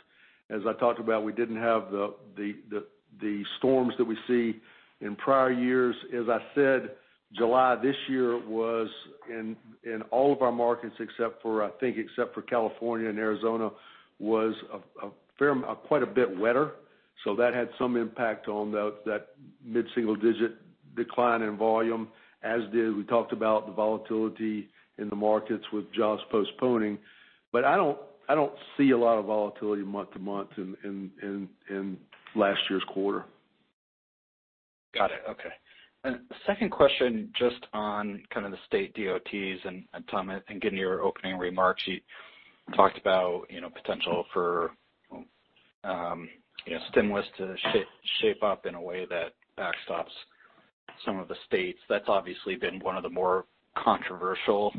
As I talked about, we didn't have the storms that we see in prior years. As I said, July this year was, in all of our markets except for, I think, except for California and Arizona, was quite a bit wetter. That had some impact on that mid-single digit decline in volume, as did, we talked about the volatility in the markets with jobs postponing. I don't see a lot of volatility month to month in last year's quarter. Got it. Okay. Second question, just on the state DOTs. Tom, I think in your opening remarks, you talked about potential for stimulus to shape up in a way that backstops some of the states. That's obviously been one of the more controversial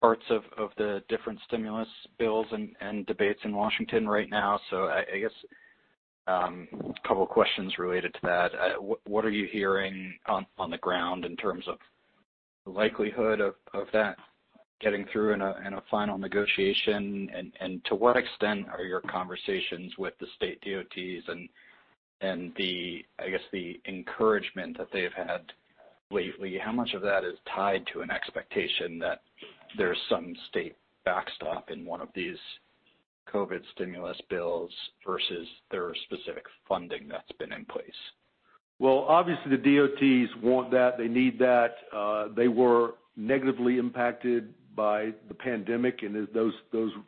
parts of the different stimulus bills and debates in Washington right now. I guess, a couple of questions related to that. What are you hearing on the ground in terms of the likelihood of that getting through in a final negotiation? To what extent are your conversations with the state DOTs and the encouragement that they've had lately, how much of that is tied to an expectation that there's some state backstop in one of these COVID stimulus bills versus their specific funding that's been in place? Obviously, the DOTs want that. They need that. They were negatively impacted by the pandemic, and those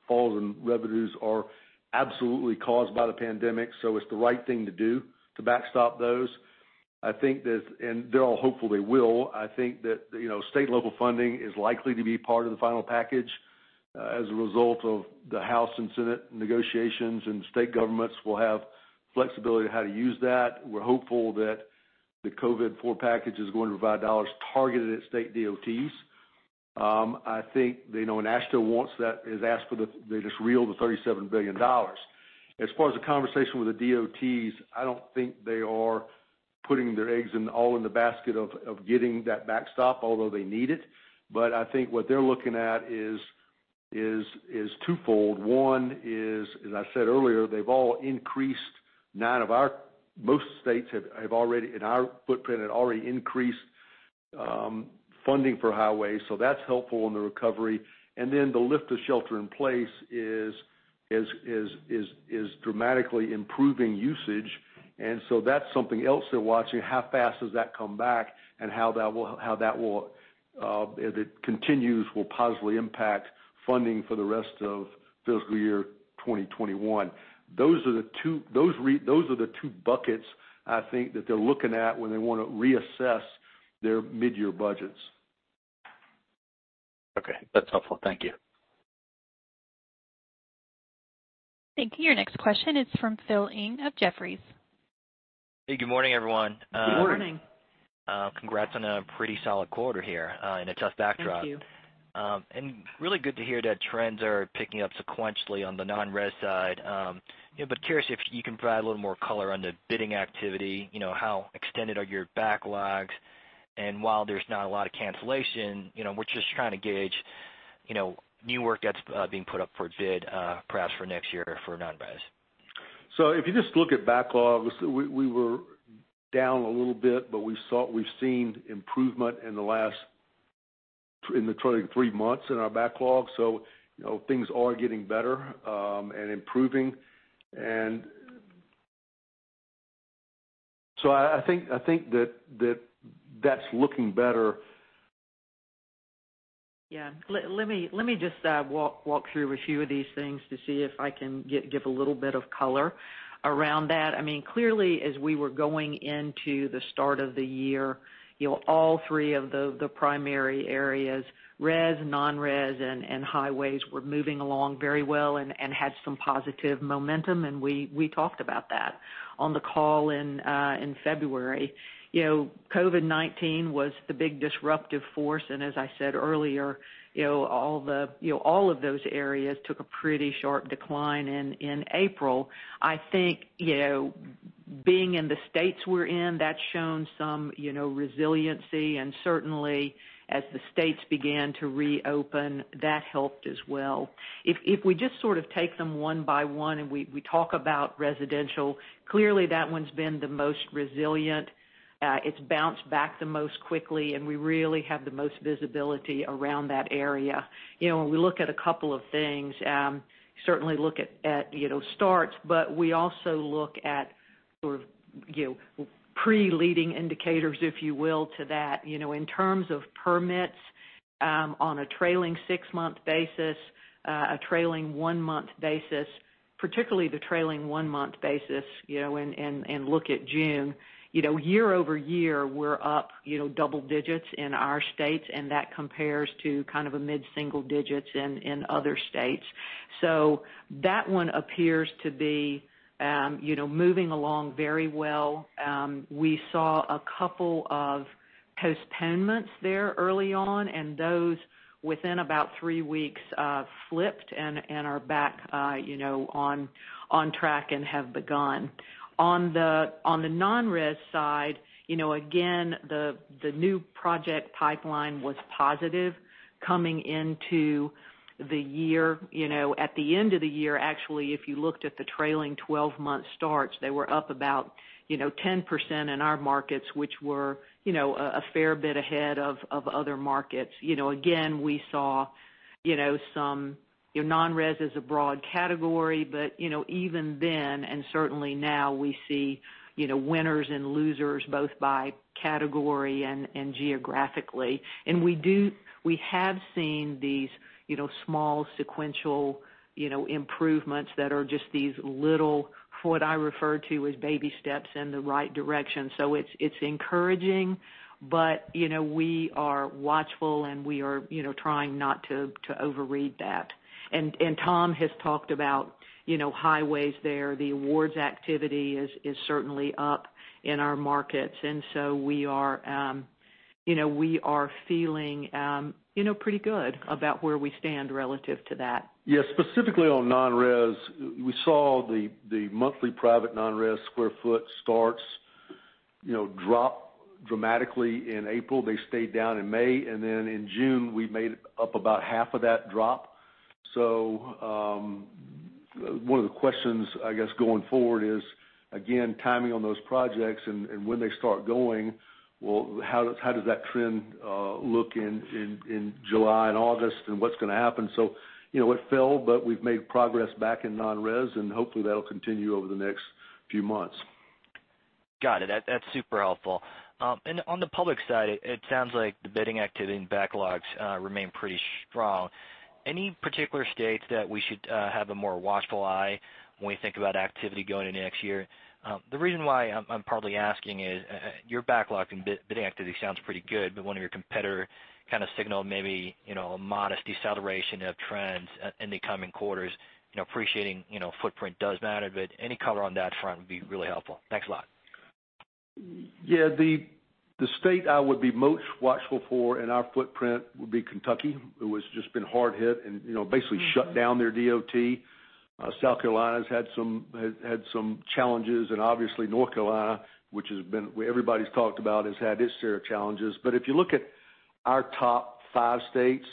falls in revenues are absolutely caused by the pandemic. It's the right thing to do to backstop those. They all hope they will. I think that state and local funding is likely to be part of the final package as a result of the House and Senate negotiations, and state governments will have flexibility on how to use that. We're hopeful that the COVID four package is going to provide dollars targeted at state DOTs. I think they know, and AASHTO wants that, has asked for just real, the $37 billion. As far as the conversation with the DOTs, I don't think they are putting their eggs all in the basket of getting that backstop, although they need it. I think what they're looking at is twofold. One is, as I said earlier, they've all increased. Most states in our footprint had already increased funding for highways, so that's helpful in the recovery. Then the lift of shelter in place is dramatically improving usage. So that's something else they're watching, how fast does that come back, and how if it continues, will positively impact funding for the rest of fiscal year 2021. Those are the two buckets, I think, that they're looking at when they want to reassess their mid-year budgets. Okay. That's helpful. Thank you. Thank you. Your next question is from Philip Ng of Jefferies. Hey, good morning, everyone. Good morning. Good morning. Congrats on a pretty solid quarter here in a tough backdrop. Thank you. Really good to hear that trends are picking up sequentially on the non-res side. Curious if you can provide a little more color on the bidding activity, how extended are your backlogs? While there's not a lot of cancellation, we're just trying to gauge new work that's being put up for bid, perhaps for next year for non-res. If you just look at backlogs, we were down a little bit, but we've seen improvement in the last three months in our backlog. Things are getting better and improving. I think that's looking better. Yeah. Let me just walk through a few of these things to see if I can give a little bit of color around that. Clearly, as we were going into the start of the year, all three of the primary areas, res, non-res, and highways, were moving along very well and had some positive momentum, and we talked about that on the call in February. COVID-19 was the big disruptive force, and as I said earlier, all of those areas took a pretty sharp decline in April. I think, being in the states we're in, that's shown some resiliency, and certainly as the states began to reopen, that helped as well. We just take them one by one and we talk about residential, clearly that one's been the most resilient. It's bounced back the most quickly, we really have the most visibility around that area. When we look at a couple of things, certainly look at starts, we also look at pre-leading indicators, if you will, to that. In terms of permits, on a trailing six-month basis, a trailing one-month basis, particularly the trailing one-month basis, and look at June, year-over-year, we're up double-digits in our states, and that compares to a mid-single-digits in other states. That one appears to be moving along very well. We saw a couple of postponements there early on, and those within about three weeks, flipped and are back on track and have begun. On the non-res side, again, the new project pipeline was positive coming into the year. At the end of the year, actually, if you looked at the trailing 12-month starts, they were up about 10% in our markets, which were a fair bit ahead of other markets. We saw some non-res is a broad category, but even then, and certainly now, we see winners and losers, both by category and geographically. We have seen these small sequential improvements that are just these littl What I refer to as baby steps in the right direction. It's encouraging, but we are watchful and we are trying not to overread that. Tom has talked about highways there. The awards activity is certainly up in our markets. We are feeling pretty good about where we stand relative to that. Yes. Specifically on non-res, we saw the monthly private non-res square foot starts drop dramatically in April. They stayed down in May. Then in June, we made up about half of that drop. One of the questions, I guess, going forward is, again, timing on those projects and when they start going, well, how does that trend look in July and August, and what's going to happen? It fell, but we've made progress back in non-res, and hopefully that'll continue over the next few months. Got it. That's super helpful. On the public side, it sounds like the bidding activity and backlogs remain pretty strong. Any particular states that we should have a more watchful eye when we think about activity going into next year? The reason why I'm partly asking is your backlog and bidding activity sounds pretty good, but one of your competitor kind of signaled maybe a modest deceleration of trends in the coming quarters. Appreciating footprint does matter, but any color on that front would be really helpful. Thanks a lot. The state I would be most watchful for in our footprint would be Kentucky, who has just been hard hit and basically shut down their DOT. South Carolina's had some challenges. Obviously North Carolina, which everybody's talked about, has had its share of challenges. If you look at our top five states,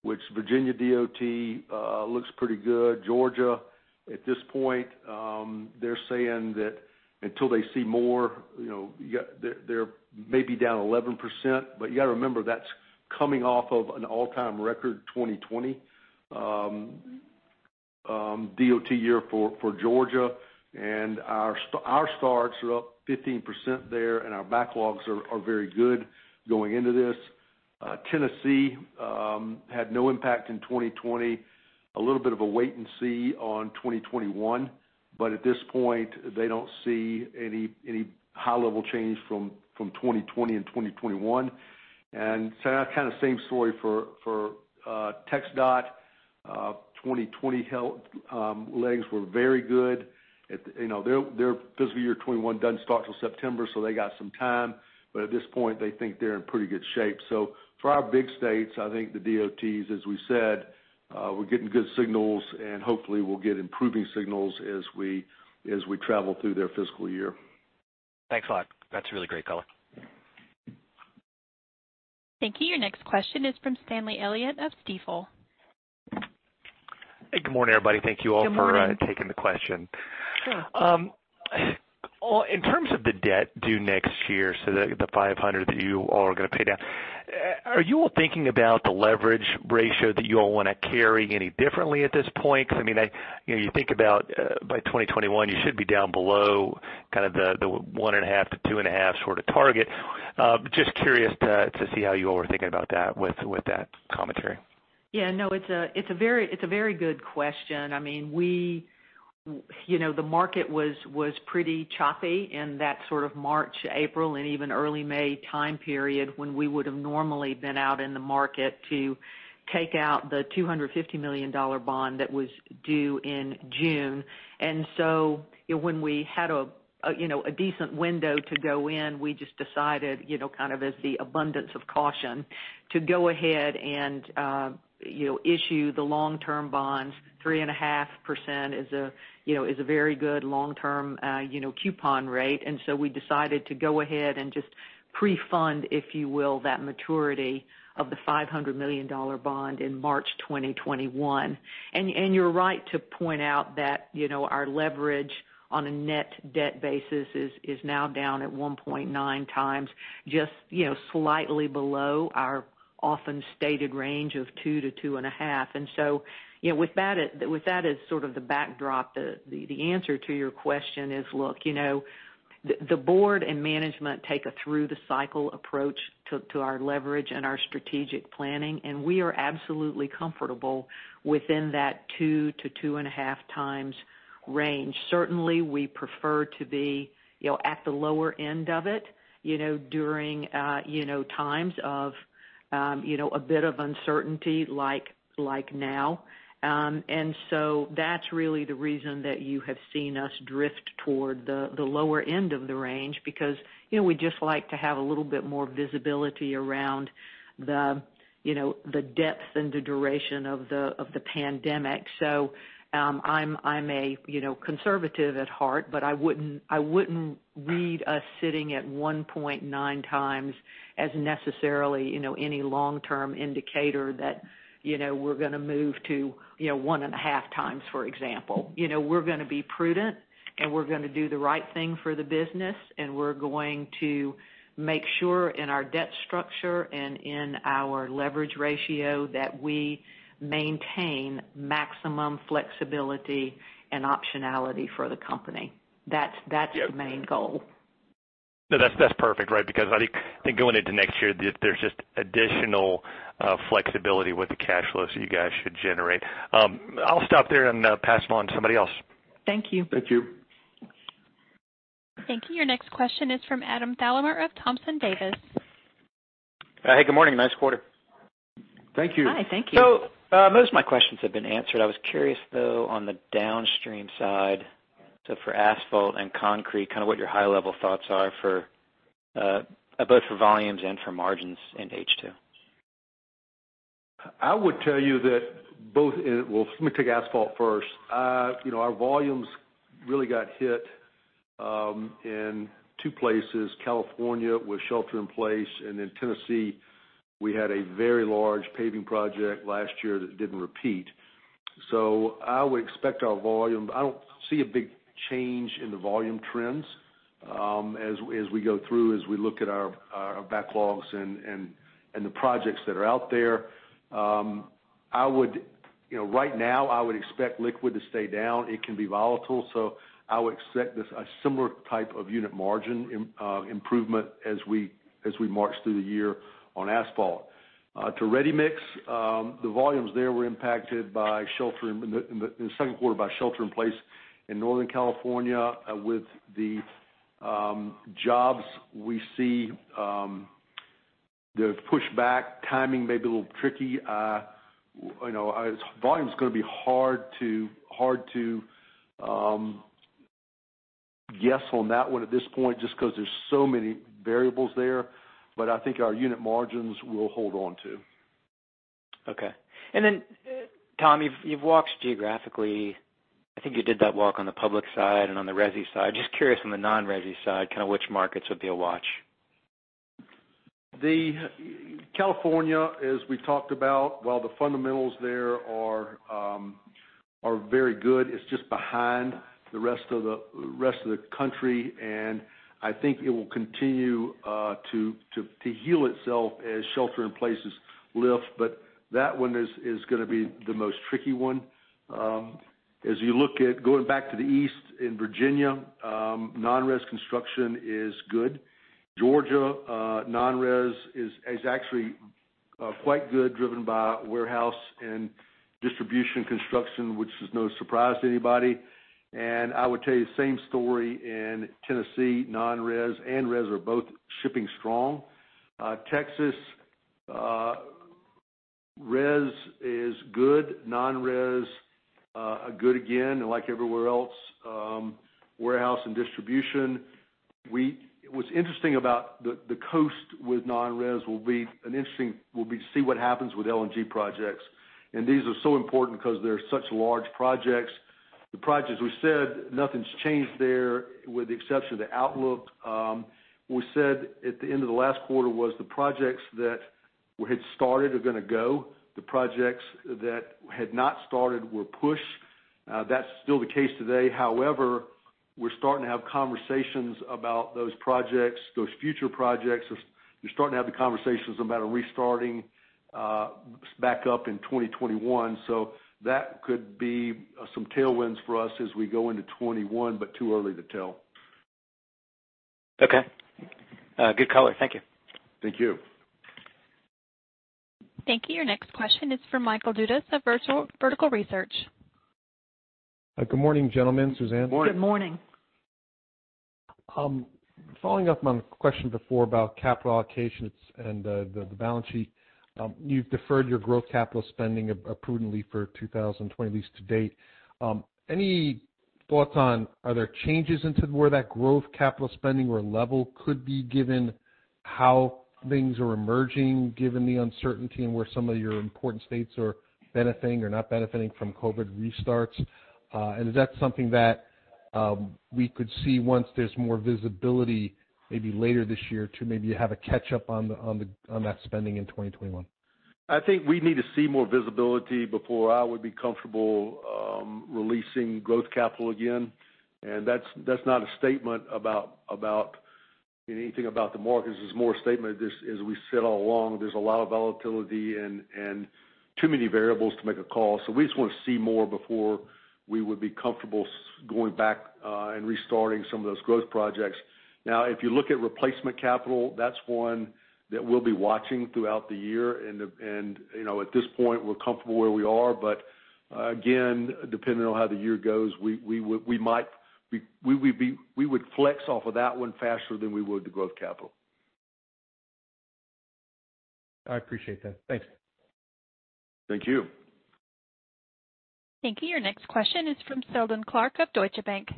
which Virginia DOT looks pretty good. Georgia, at this point, they're saying that until they see more, they may be down 11%. You got to remember that's coming off of an all-time record 2020 DOT year for Georgia. Our starts are up 15% there, and our backlogs are very good going into this. Tennessee had no impact in 2020, a little bit of a wait and see on 2021. At this point, they don't see any high-level change from 2020 and 2021. Kind of same story for TxDOT. 2020 lettings were very good. Their fiscal year 2021 doesn't start till September, they got some time. At this point, they think they're in pretty good shape. For our big states, I think the DOTs, as we said, we're getting good signals, and hopefully we'll get improving signals as we travel through their fiscal year. Thanks a lot. That's a really great color. Thank you. Your next question is from Stanley Elliott of Stifel. Hey, good morning, everybody. Good morning. taking the question. Sure. In terms of the debt due next year, the $500 that you all are going to pay down, are you all thinking about the leverage ratio that you all want to carry any differently at this point? You think about by 2021, you should be down below kind of the 1.5-2.5 sort of target. Just curious to see how you all were thinking about that with that commentary. Yeah, no, it's a very good question. The market was pretty choppy in that sort of March, April, and even early May time period when we would have normally been out in the market to take out the $250 million bond that was due in June. When we had a decent window to go in, we just decided, kind of as the abundance of caution, to go ahead and issue the long-term bonds. 3.5% is a very good long-term coupon rate. We decided to go ahead and just pre-fund, if you will, that maturity of the $500 million bond in March 2021. You're right to point out that our leverage on a net debt basis is now down at 1.9 times, just slightly below our often-stated range of two to 2.5. With that as sort of the backdrop, the answer to your question is, look, the board and management take a through-the-cycle approach to our leverage and our strategic planning, and we are absolutely comfortable within that 2x-2.5x range. Certainly, we prefer to be at the lower end of it during times of a bit of uncertainty like now. That's really the reason that you have seen us drift toward the lower end of the range, because we just like to have a little bit more visibility around the depth and the duration of the pandemic. I'm a conservative at heart, but I wouldn't read us sitting at 1.9x as necessarily any long-term indicator that we're going to move to 1.5x, for example. We're going to be prudent, and we're going to do the right thing for the business, and we're going to make sure in our debt structure and in our leverage ratio that we maintain maximum flexibility and optionality for the company. That's the main goal. No, that's perfect, right? I think going into next year, there's just additional flexibility with the cash flows that you guys should generate. I'll stop there and pass it on to somebody else. Thank you. Thank you. Thank you. Your next question is from Adam Thalhimer of Thompson Davis. Hey, good morning. Nice quarter. Thank you. Hi, thank you. Most of my questions have been answered. I was curious, though, on the downstream side, for asphalt and concrete, kind of what your high-level thoughts are both for volumes and for margins in H2. I would tell you that well, let me take asphalt first. Our volumes really got hit in two places: California with shelter in place, and in Tennessee, we had a very large paving project last year that didn't repeat. I don't see a big change in the volume trends as we go through, as we look at our backlogs and the projects that are out there. Right now, I would expect liquid to stay down. It can be volatile, so I would expect this, a similar type of unit margin improvement as we march through the year on asphalt. To ready-mix, the volumes there were impacted in the second quarter by shelter in place in Northern California. With the jobs, we see the pushback timing may be a little tricky. Volume's going to be hard to guess on that one at this point just because there's so many variables there, but I think our unit margins we'll hold on to. Okay. Tom, you've walked geographically. I think you did that walk on the public side and on the resi side. Just curious from the non-resi side, kind of which markets would be a watch? The California, as we've talked about, while the fundamentals there are very good, it's just behind the rest of the country, I think it will continue to heal itself as shelter in places lift. That one is going to be the most tricky one. As you look at going back to the East in Virginia, non-res construction is good. Georgia non-res is actually quite good, driven by warehouse and distribution construction, which is no surprise to anybody. I would tell you the same story in Tennessee, non-res and res are both shipping strong. Texas res is good, non-res good again. Like everywhere else, warehouse and distribution. What's interesting about the Coast with non-res will be to see what happens with LNG projects. These are so important because they're such large projects. The projects, we said nothing's changed there with the exception of the outlook. We said at the end of the last quarter was the projects that had started are going to go, the projects that had not started will push. That's still the case today. We're starting to have conversations about those projects, those future projects, we're starting to have the conversations about restarting back up in 2021. That could be some tailwinds for us as we go into 2021, but too early to tell. Okay. Good color. Thank you. Thank you. Thank you. Your next question is from Michael Dudas of Vertical Research. Good morning, gentlemen, Suzanne. Morning. Good morning. Following up on the question before about capital allocations and the balance sheet. You've deferred your growth capital spending prudently for 2020, at least to date. Any thoughts on, are there changes into where that growth capital spending or level could be given how things are emerging, given the uncertainty and where some of your important states are benefiting or not benefiting from COVID-19 restarts? Is that something that we could see once there's more visibility, maybe later this year, to maybe have a catch-up on that spending in 2021? I think we need to see more visibility before I would be comfortable releasing growth capital again. That's not a statement about anything about the markets. It's more a statement, as we said all along, there's a lot of volatility and too many variables to make a call. We just want to see more before we would be comfortable going back and restarting some of those growth projects. If you look at replacement capital, that's one that we'll be watching throughout the year, and at this point, we're comfortable where we are. Again, depending on how the year goes, we would flex off of that one faster than we would the growth capital. I appreciate that. Thanks. Thank you. Thank you. Your next question is from Seldon Clarke of Deutsche Bank.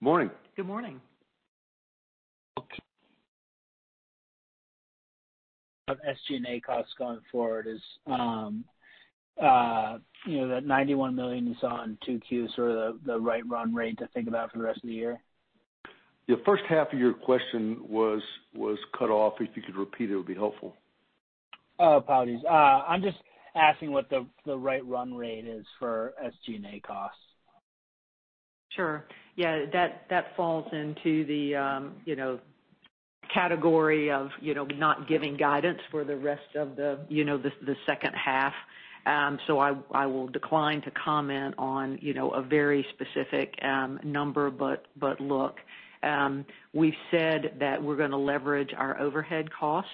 Morning. Good morning. Of SG&A costs going forward is, that $91 million is on 2Q sort of the right run rate to think about for the rest of the year? The first half of your question was cut off. If you could repeat, it would be helpful. Oh, apologies. I'm just asking what the right run rate is for SG&A costs. Sure. Yeah, that falls into the category of not giving guidance for the rest of the second half. I will decline to comment on a very specific number. Look, we've said that we're going to leverage our overhead costs.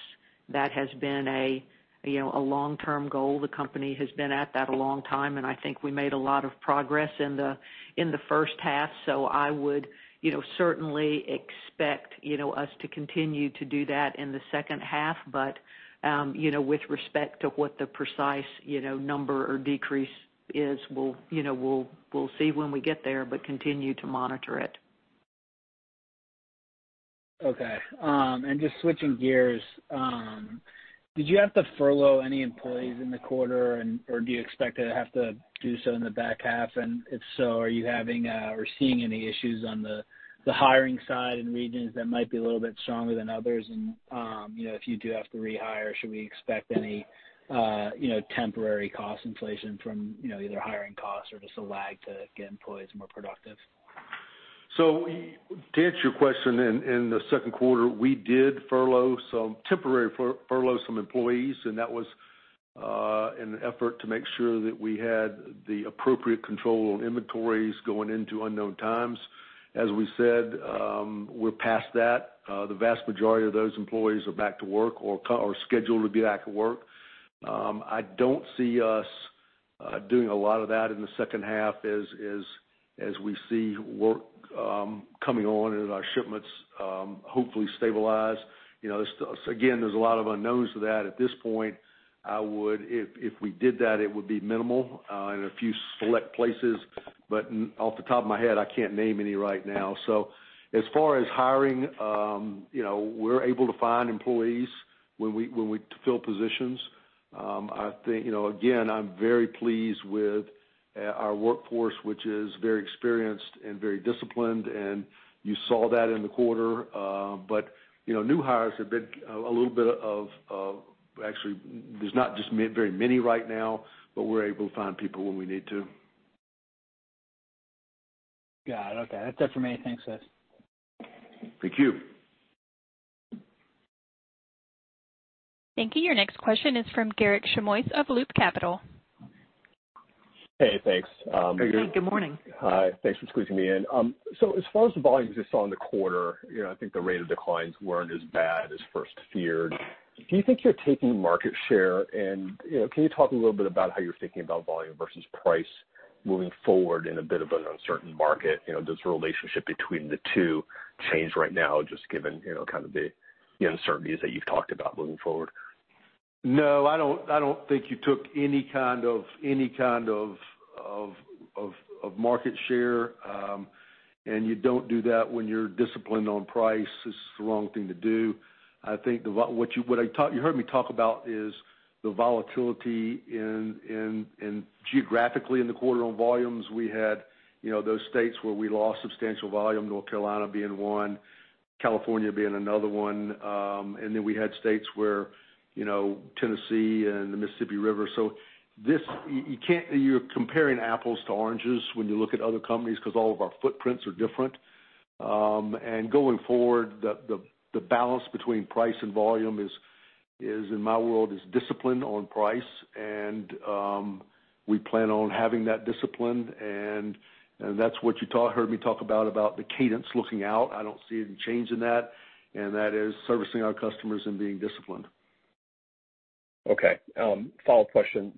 That has been a long-term goal. The company has been at that a long time, and I think we made a lot of progress in the first half. I would certainly expect us to continue to do that in the second half. With respect to what the precise number or decrease is, we'll see when we get there, but continue to monitor it. Okay. Just switching gears, did you have to furlough any employees in the quarter or do you expect to have to do so in the back half? If so, are you having or seeing any issues on the hiring side in regions that might be a little bit stronger than others? If you do have to rehire, should we expect any temporary cost inflation from either hiring costs or just a lag to get employees more productive? To answer your question, in the second quarter, we did temporarily furlough some employees, and that was an effort to make sure that we had the appropriate control on inventories going into unknown times. As we said, we're past that. The vast majority of those employees are back to work or are scheduled to be back at work. I don't see us doing a lot of that in the second half as we see work coming on and our shipments hopefully stabilize. Again, there's a lot of unknowns to that at this point. If we did that, it would be minimal in a few select places, but off the top of my head, I can't name any right now. As far as hiring, we're able to find employees when we fill positions. Again, I'm very pleased with our workforce, which is very experienced and very disciplined, and you saw that in the quarter. New hires have been, actually, there's not just very many right now, but we're able to find people when we need to. Got it. Okay. That's it for me. Thanks, guys. Thank you. Thank you. Your next question is from Garik Shmois of Loop Capital. Hey, thanks. Hey, Garik. Good morning. Hi. Thanks for squeezing me in. As far as the volumes you saw in the quarter, I think the rate of declines weren't as bad as first feared. Do you think you're taking market share? Can you talk a little bit about how you're thinking about volume versus price moving forward in a bit of an uncertain market? Does the relationship between the two change right now, just given kind of the uncertainties that you've talked about moving forward? No, I don't think you took any kind of market share, and you don't do that when you're disciplined on price. It's the wrong thing to do. I think what you heard me talk about is the volatility geographically in the quarter on volumes. We had those states where we lost substantial volume, North Carolina being one, California being another one, and then we had states where Tennessee and the Mississippi River. You're comparing apples to oranges when you look at other companies because all of our footprints are different. Going forward, the balance between price and volume is, in my world, is discipline on price, and we plan on having that discipline, and that's what you heard me talk about the cadence looking out. I don't see any change in that, and that is servicing our customers and being disciplined. Okay. Follow-up question.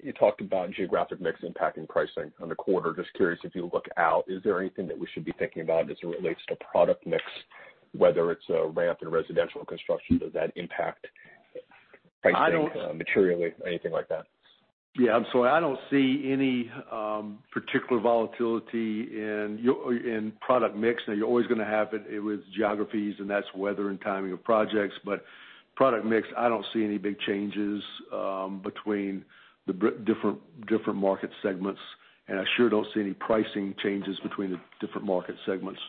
You talked about geographic mix impacting pricing on the quarter. Just curious if you look out, is there anything that we should be thinking about as it relates to product mix, whether it's ramp or residential construction? Does that impact pricing materially, anything like that? Yeah. I don't see any particular volatility in product mix. Now, you're always going to have it with geographies, and that's weather and timing of projects. Product mix, I don't see any big changes between the different market segments, and I sure don't see any pricing changes between the different market segments.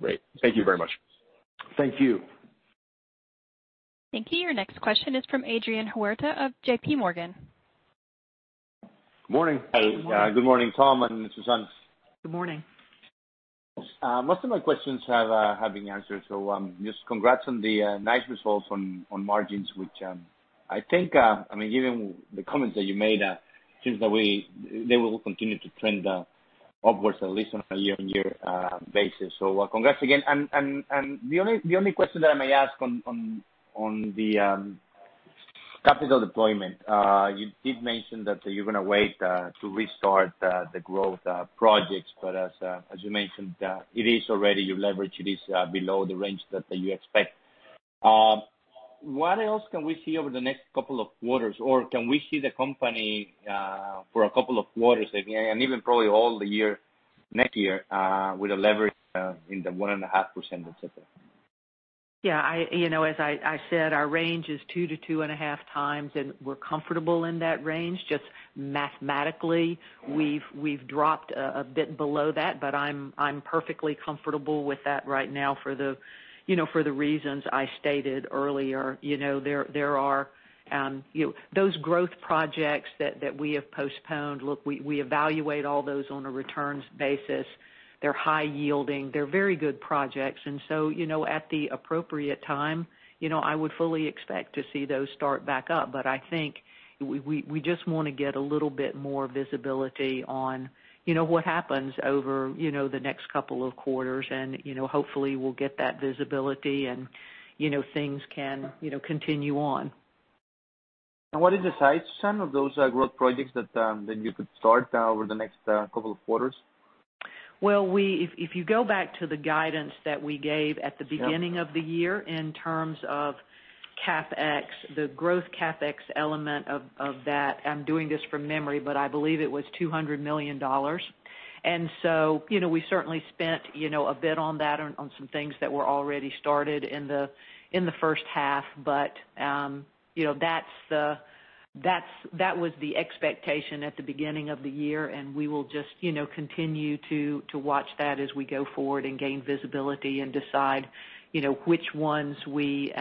Great. Thank you very much. Thank you. Thank you. Your next question is from Adrian Huerta of JPMorgan. Morning. Good morning. Hey, good morning, Tom and Suzanne. Good morning. Most of my questions have been answered, just congrats on the nice results on margins, which I think, given the comments that you made, seems that they will continue to trend upwards at least on a year-on-year basis. Congrats again. The only question that I may ask on the capital deployment. You did mention that you're going to wait to restart the growth projects, as you mentioned, your leverage, it is below the range that you expect. What else can we see over the next couple of quarters? Can we see the company for a couple of quarters, and even probably all the year, next year, with a leverage in the 1.5% et cetera? Yeah. As I said, our range is two to two and a half times. We're comfortable in that range. Just mathematically, we've dropped a bit below that. I'm perfectly comfortable with that right now for the reasons I stated earlier. Those growth projects that we have postponed, look, we evaluate all those on a returns basis. They're high yielding. They're very good projects. At the appropriate time, I would fully expect to see those start back up. I think we just want to get a little bit more visibility on what happens over the next couple of quarters. Hopefully we'll get that visibility and things can continue on. What is the size, Suzanne, of those growth projects that you could start over the next couple of quarters? If you go back to the guidance that we gave at the beginning of the year in terms of CapEx, the growth CapEx element of that, I'm doing this from memory, but I believe it was $200 million. We certainly spent a bit on that, on some things that were already started in the first half. That was the expectation at the beginning of the year, and we will just continue to watch that as we go forward and gain visibility and decide which ones we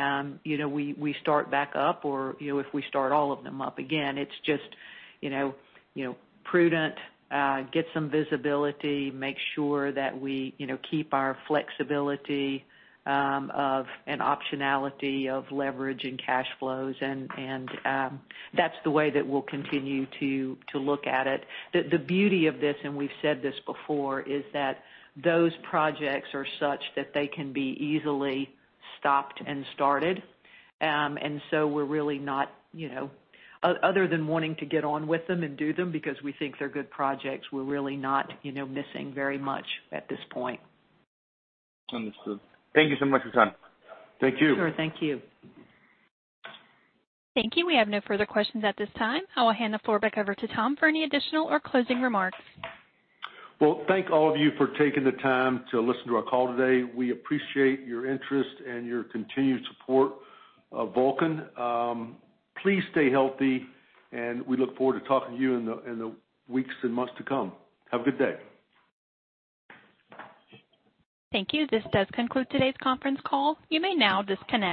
start back up or if we start all of them up again. It's just prudent, get some visibility, make sure that we keep our flexibility of an optionality of leverage and cash flows and that's the way that we'll continue to look at it. The beauty of this, and we've said this before, is that those projects are such that they can be easily stopped and started. Other than wanting to get on with them and do them because we think they're good projects, we're really not missing very much at this point. Understood. Thank you so much, Suzanne. Thank you. Sure. Thank you. Thank you. We have no further questions at this time. I will hand the floor back over to Tom for any additional or closing remarks. Well, thank all of you for taking the time to listen to our call today. We appreciate your interest and your continued support of Vulcan. Please stay healthy, we look forward to talking to you in the weeks and months to come. Have a good day. Thank you. This does conclude today's conference call. You may now disconnect.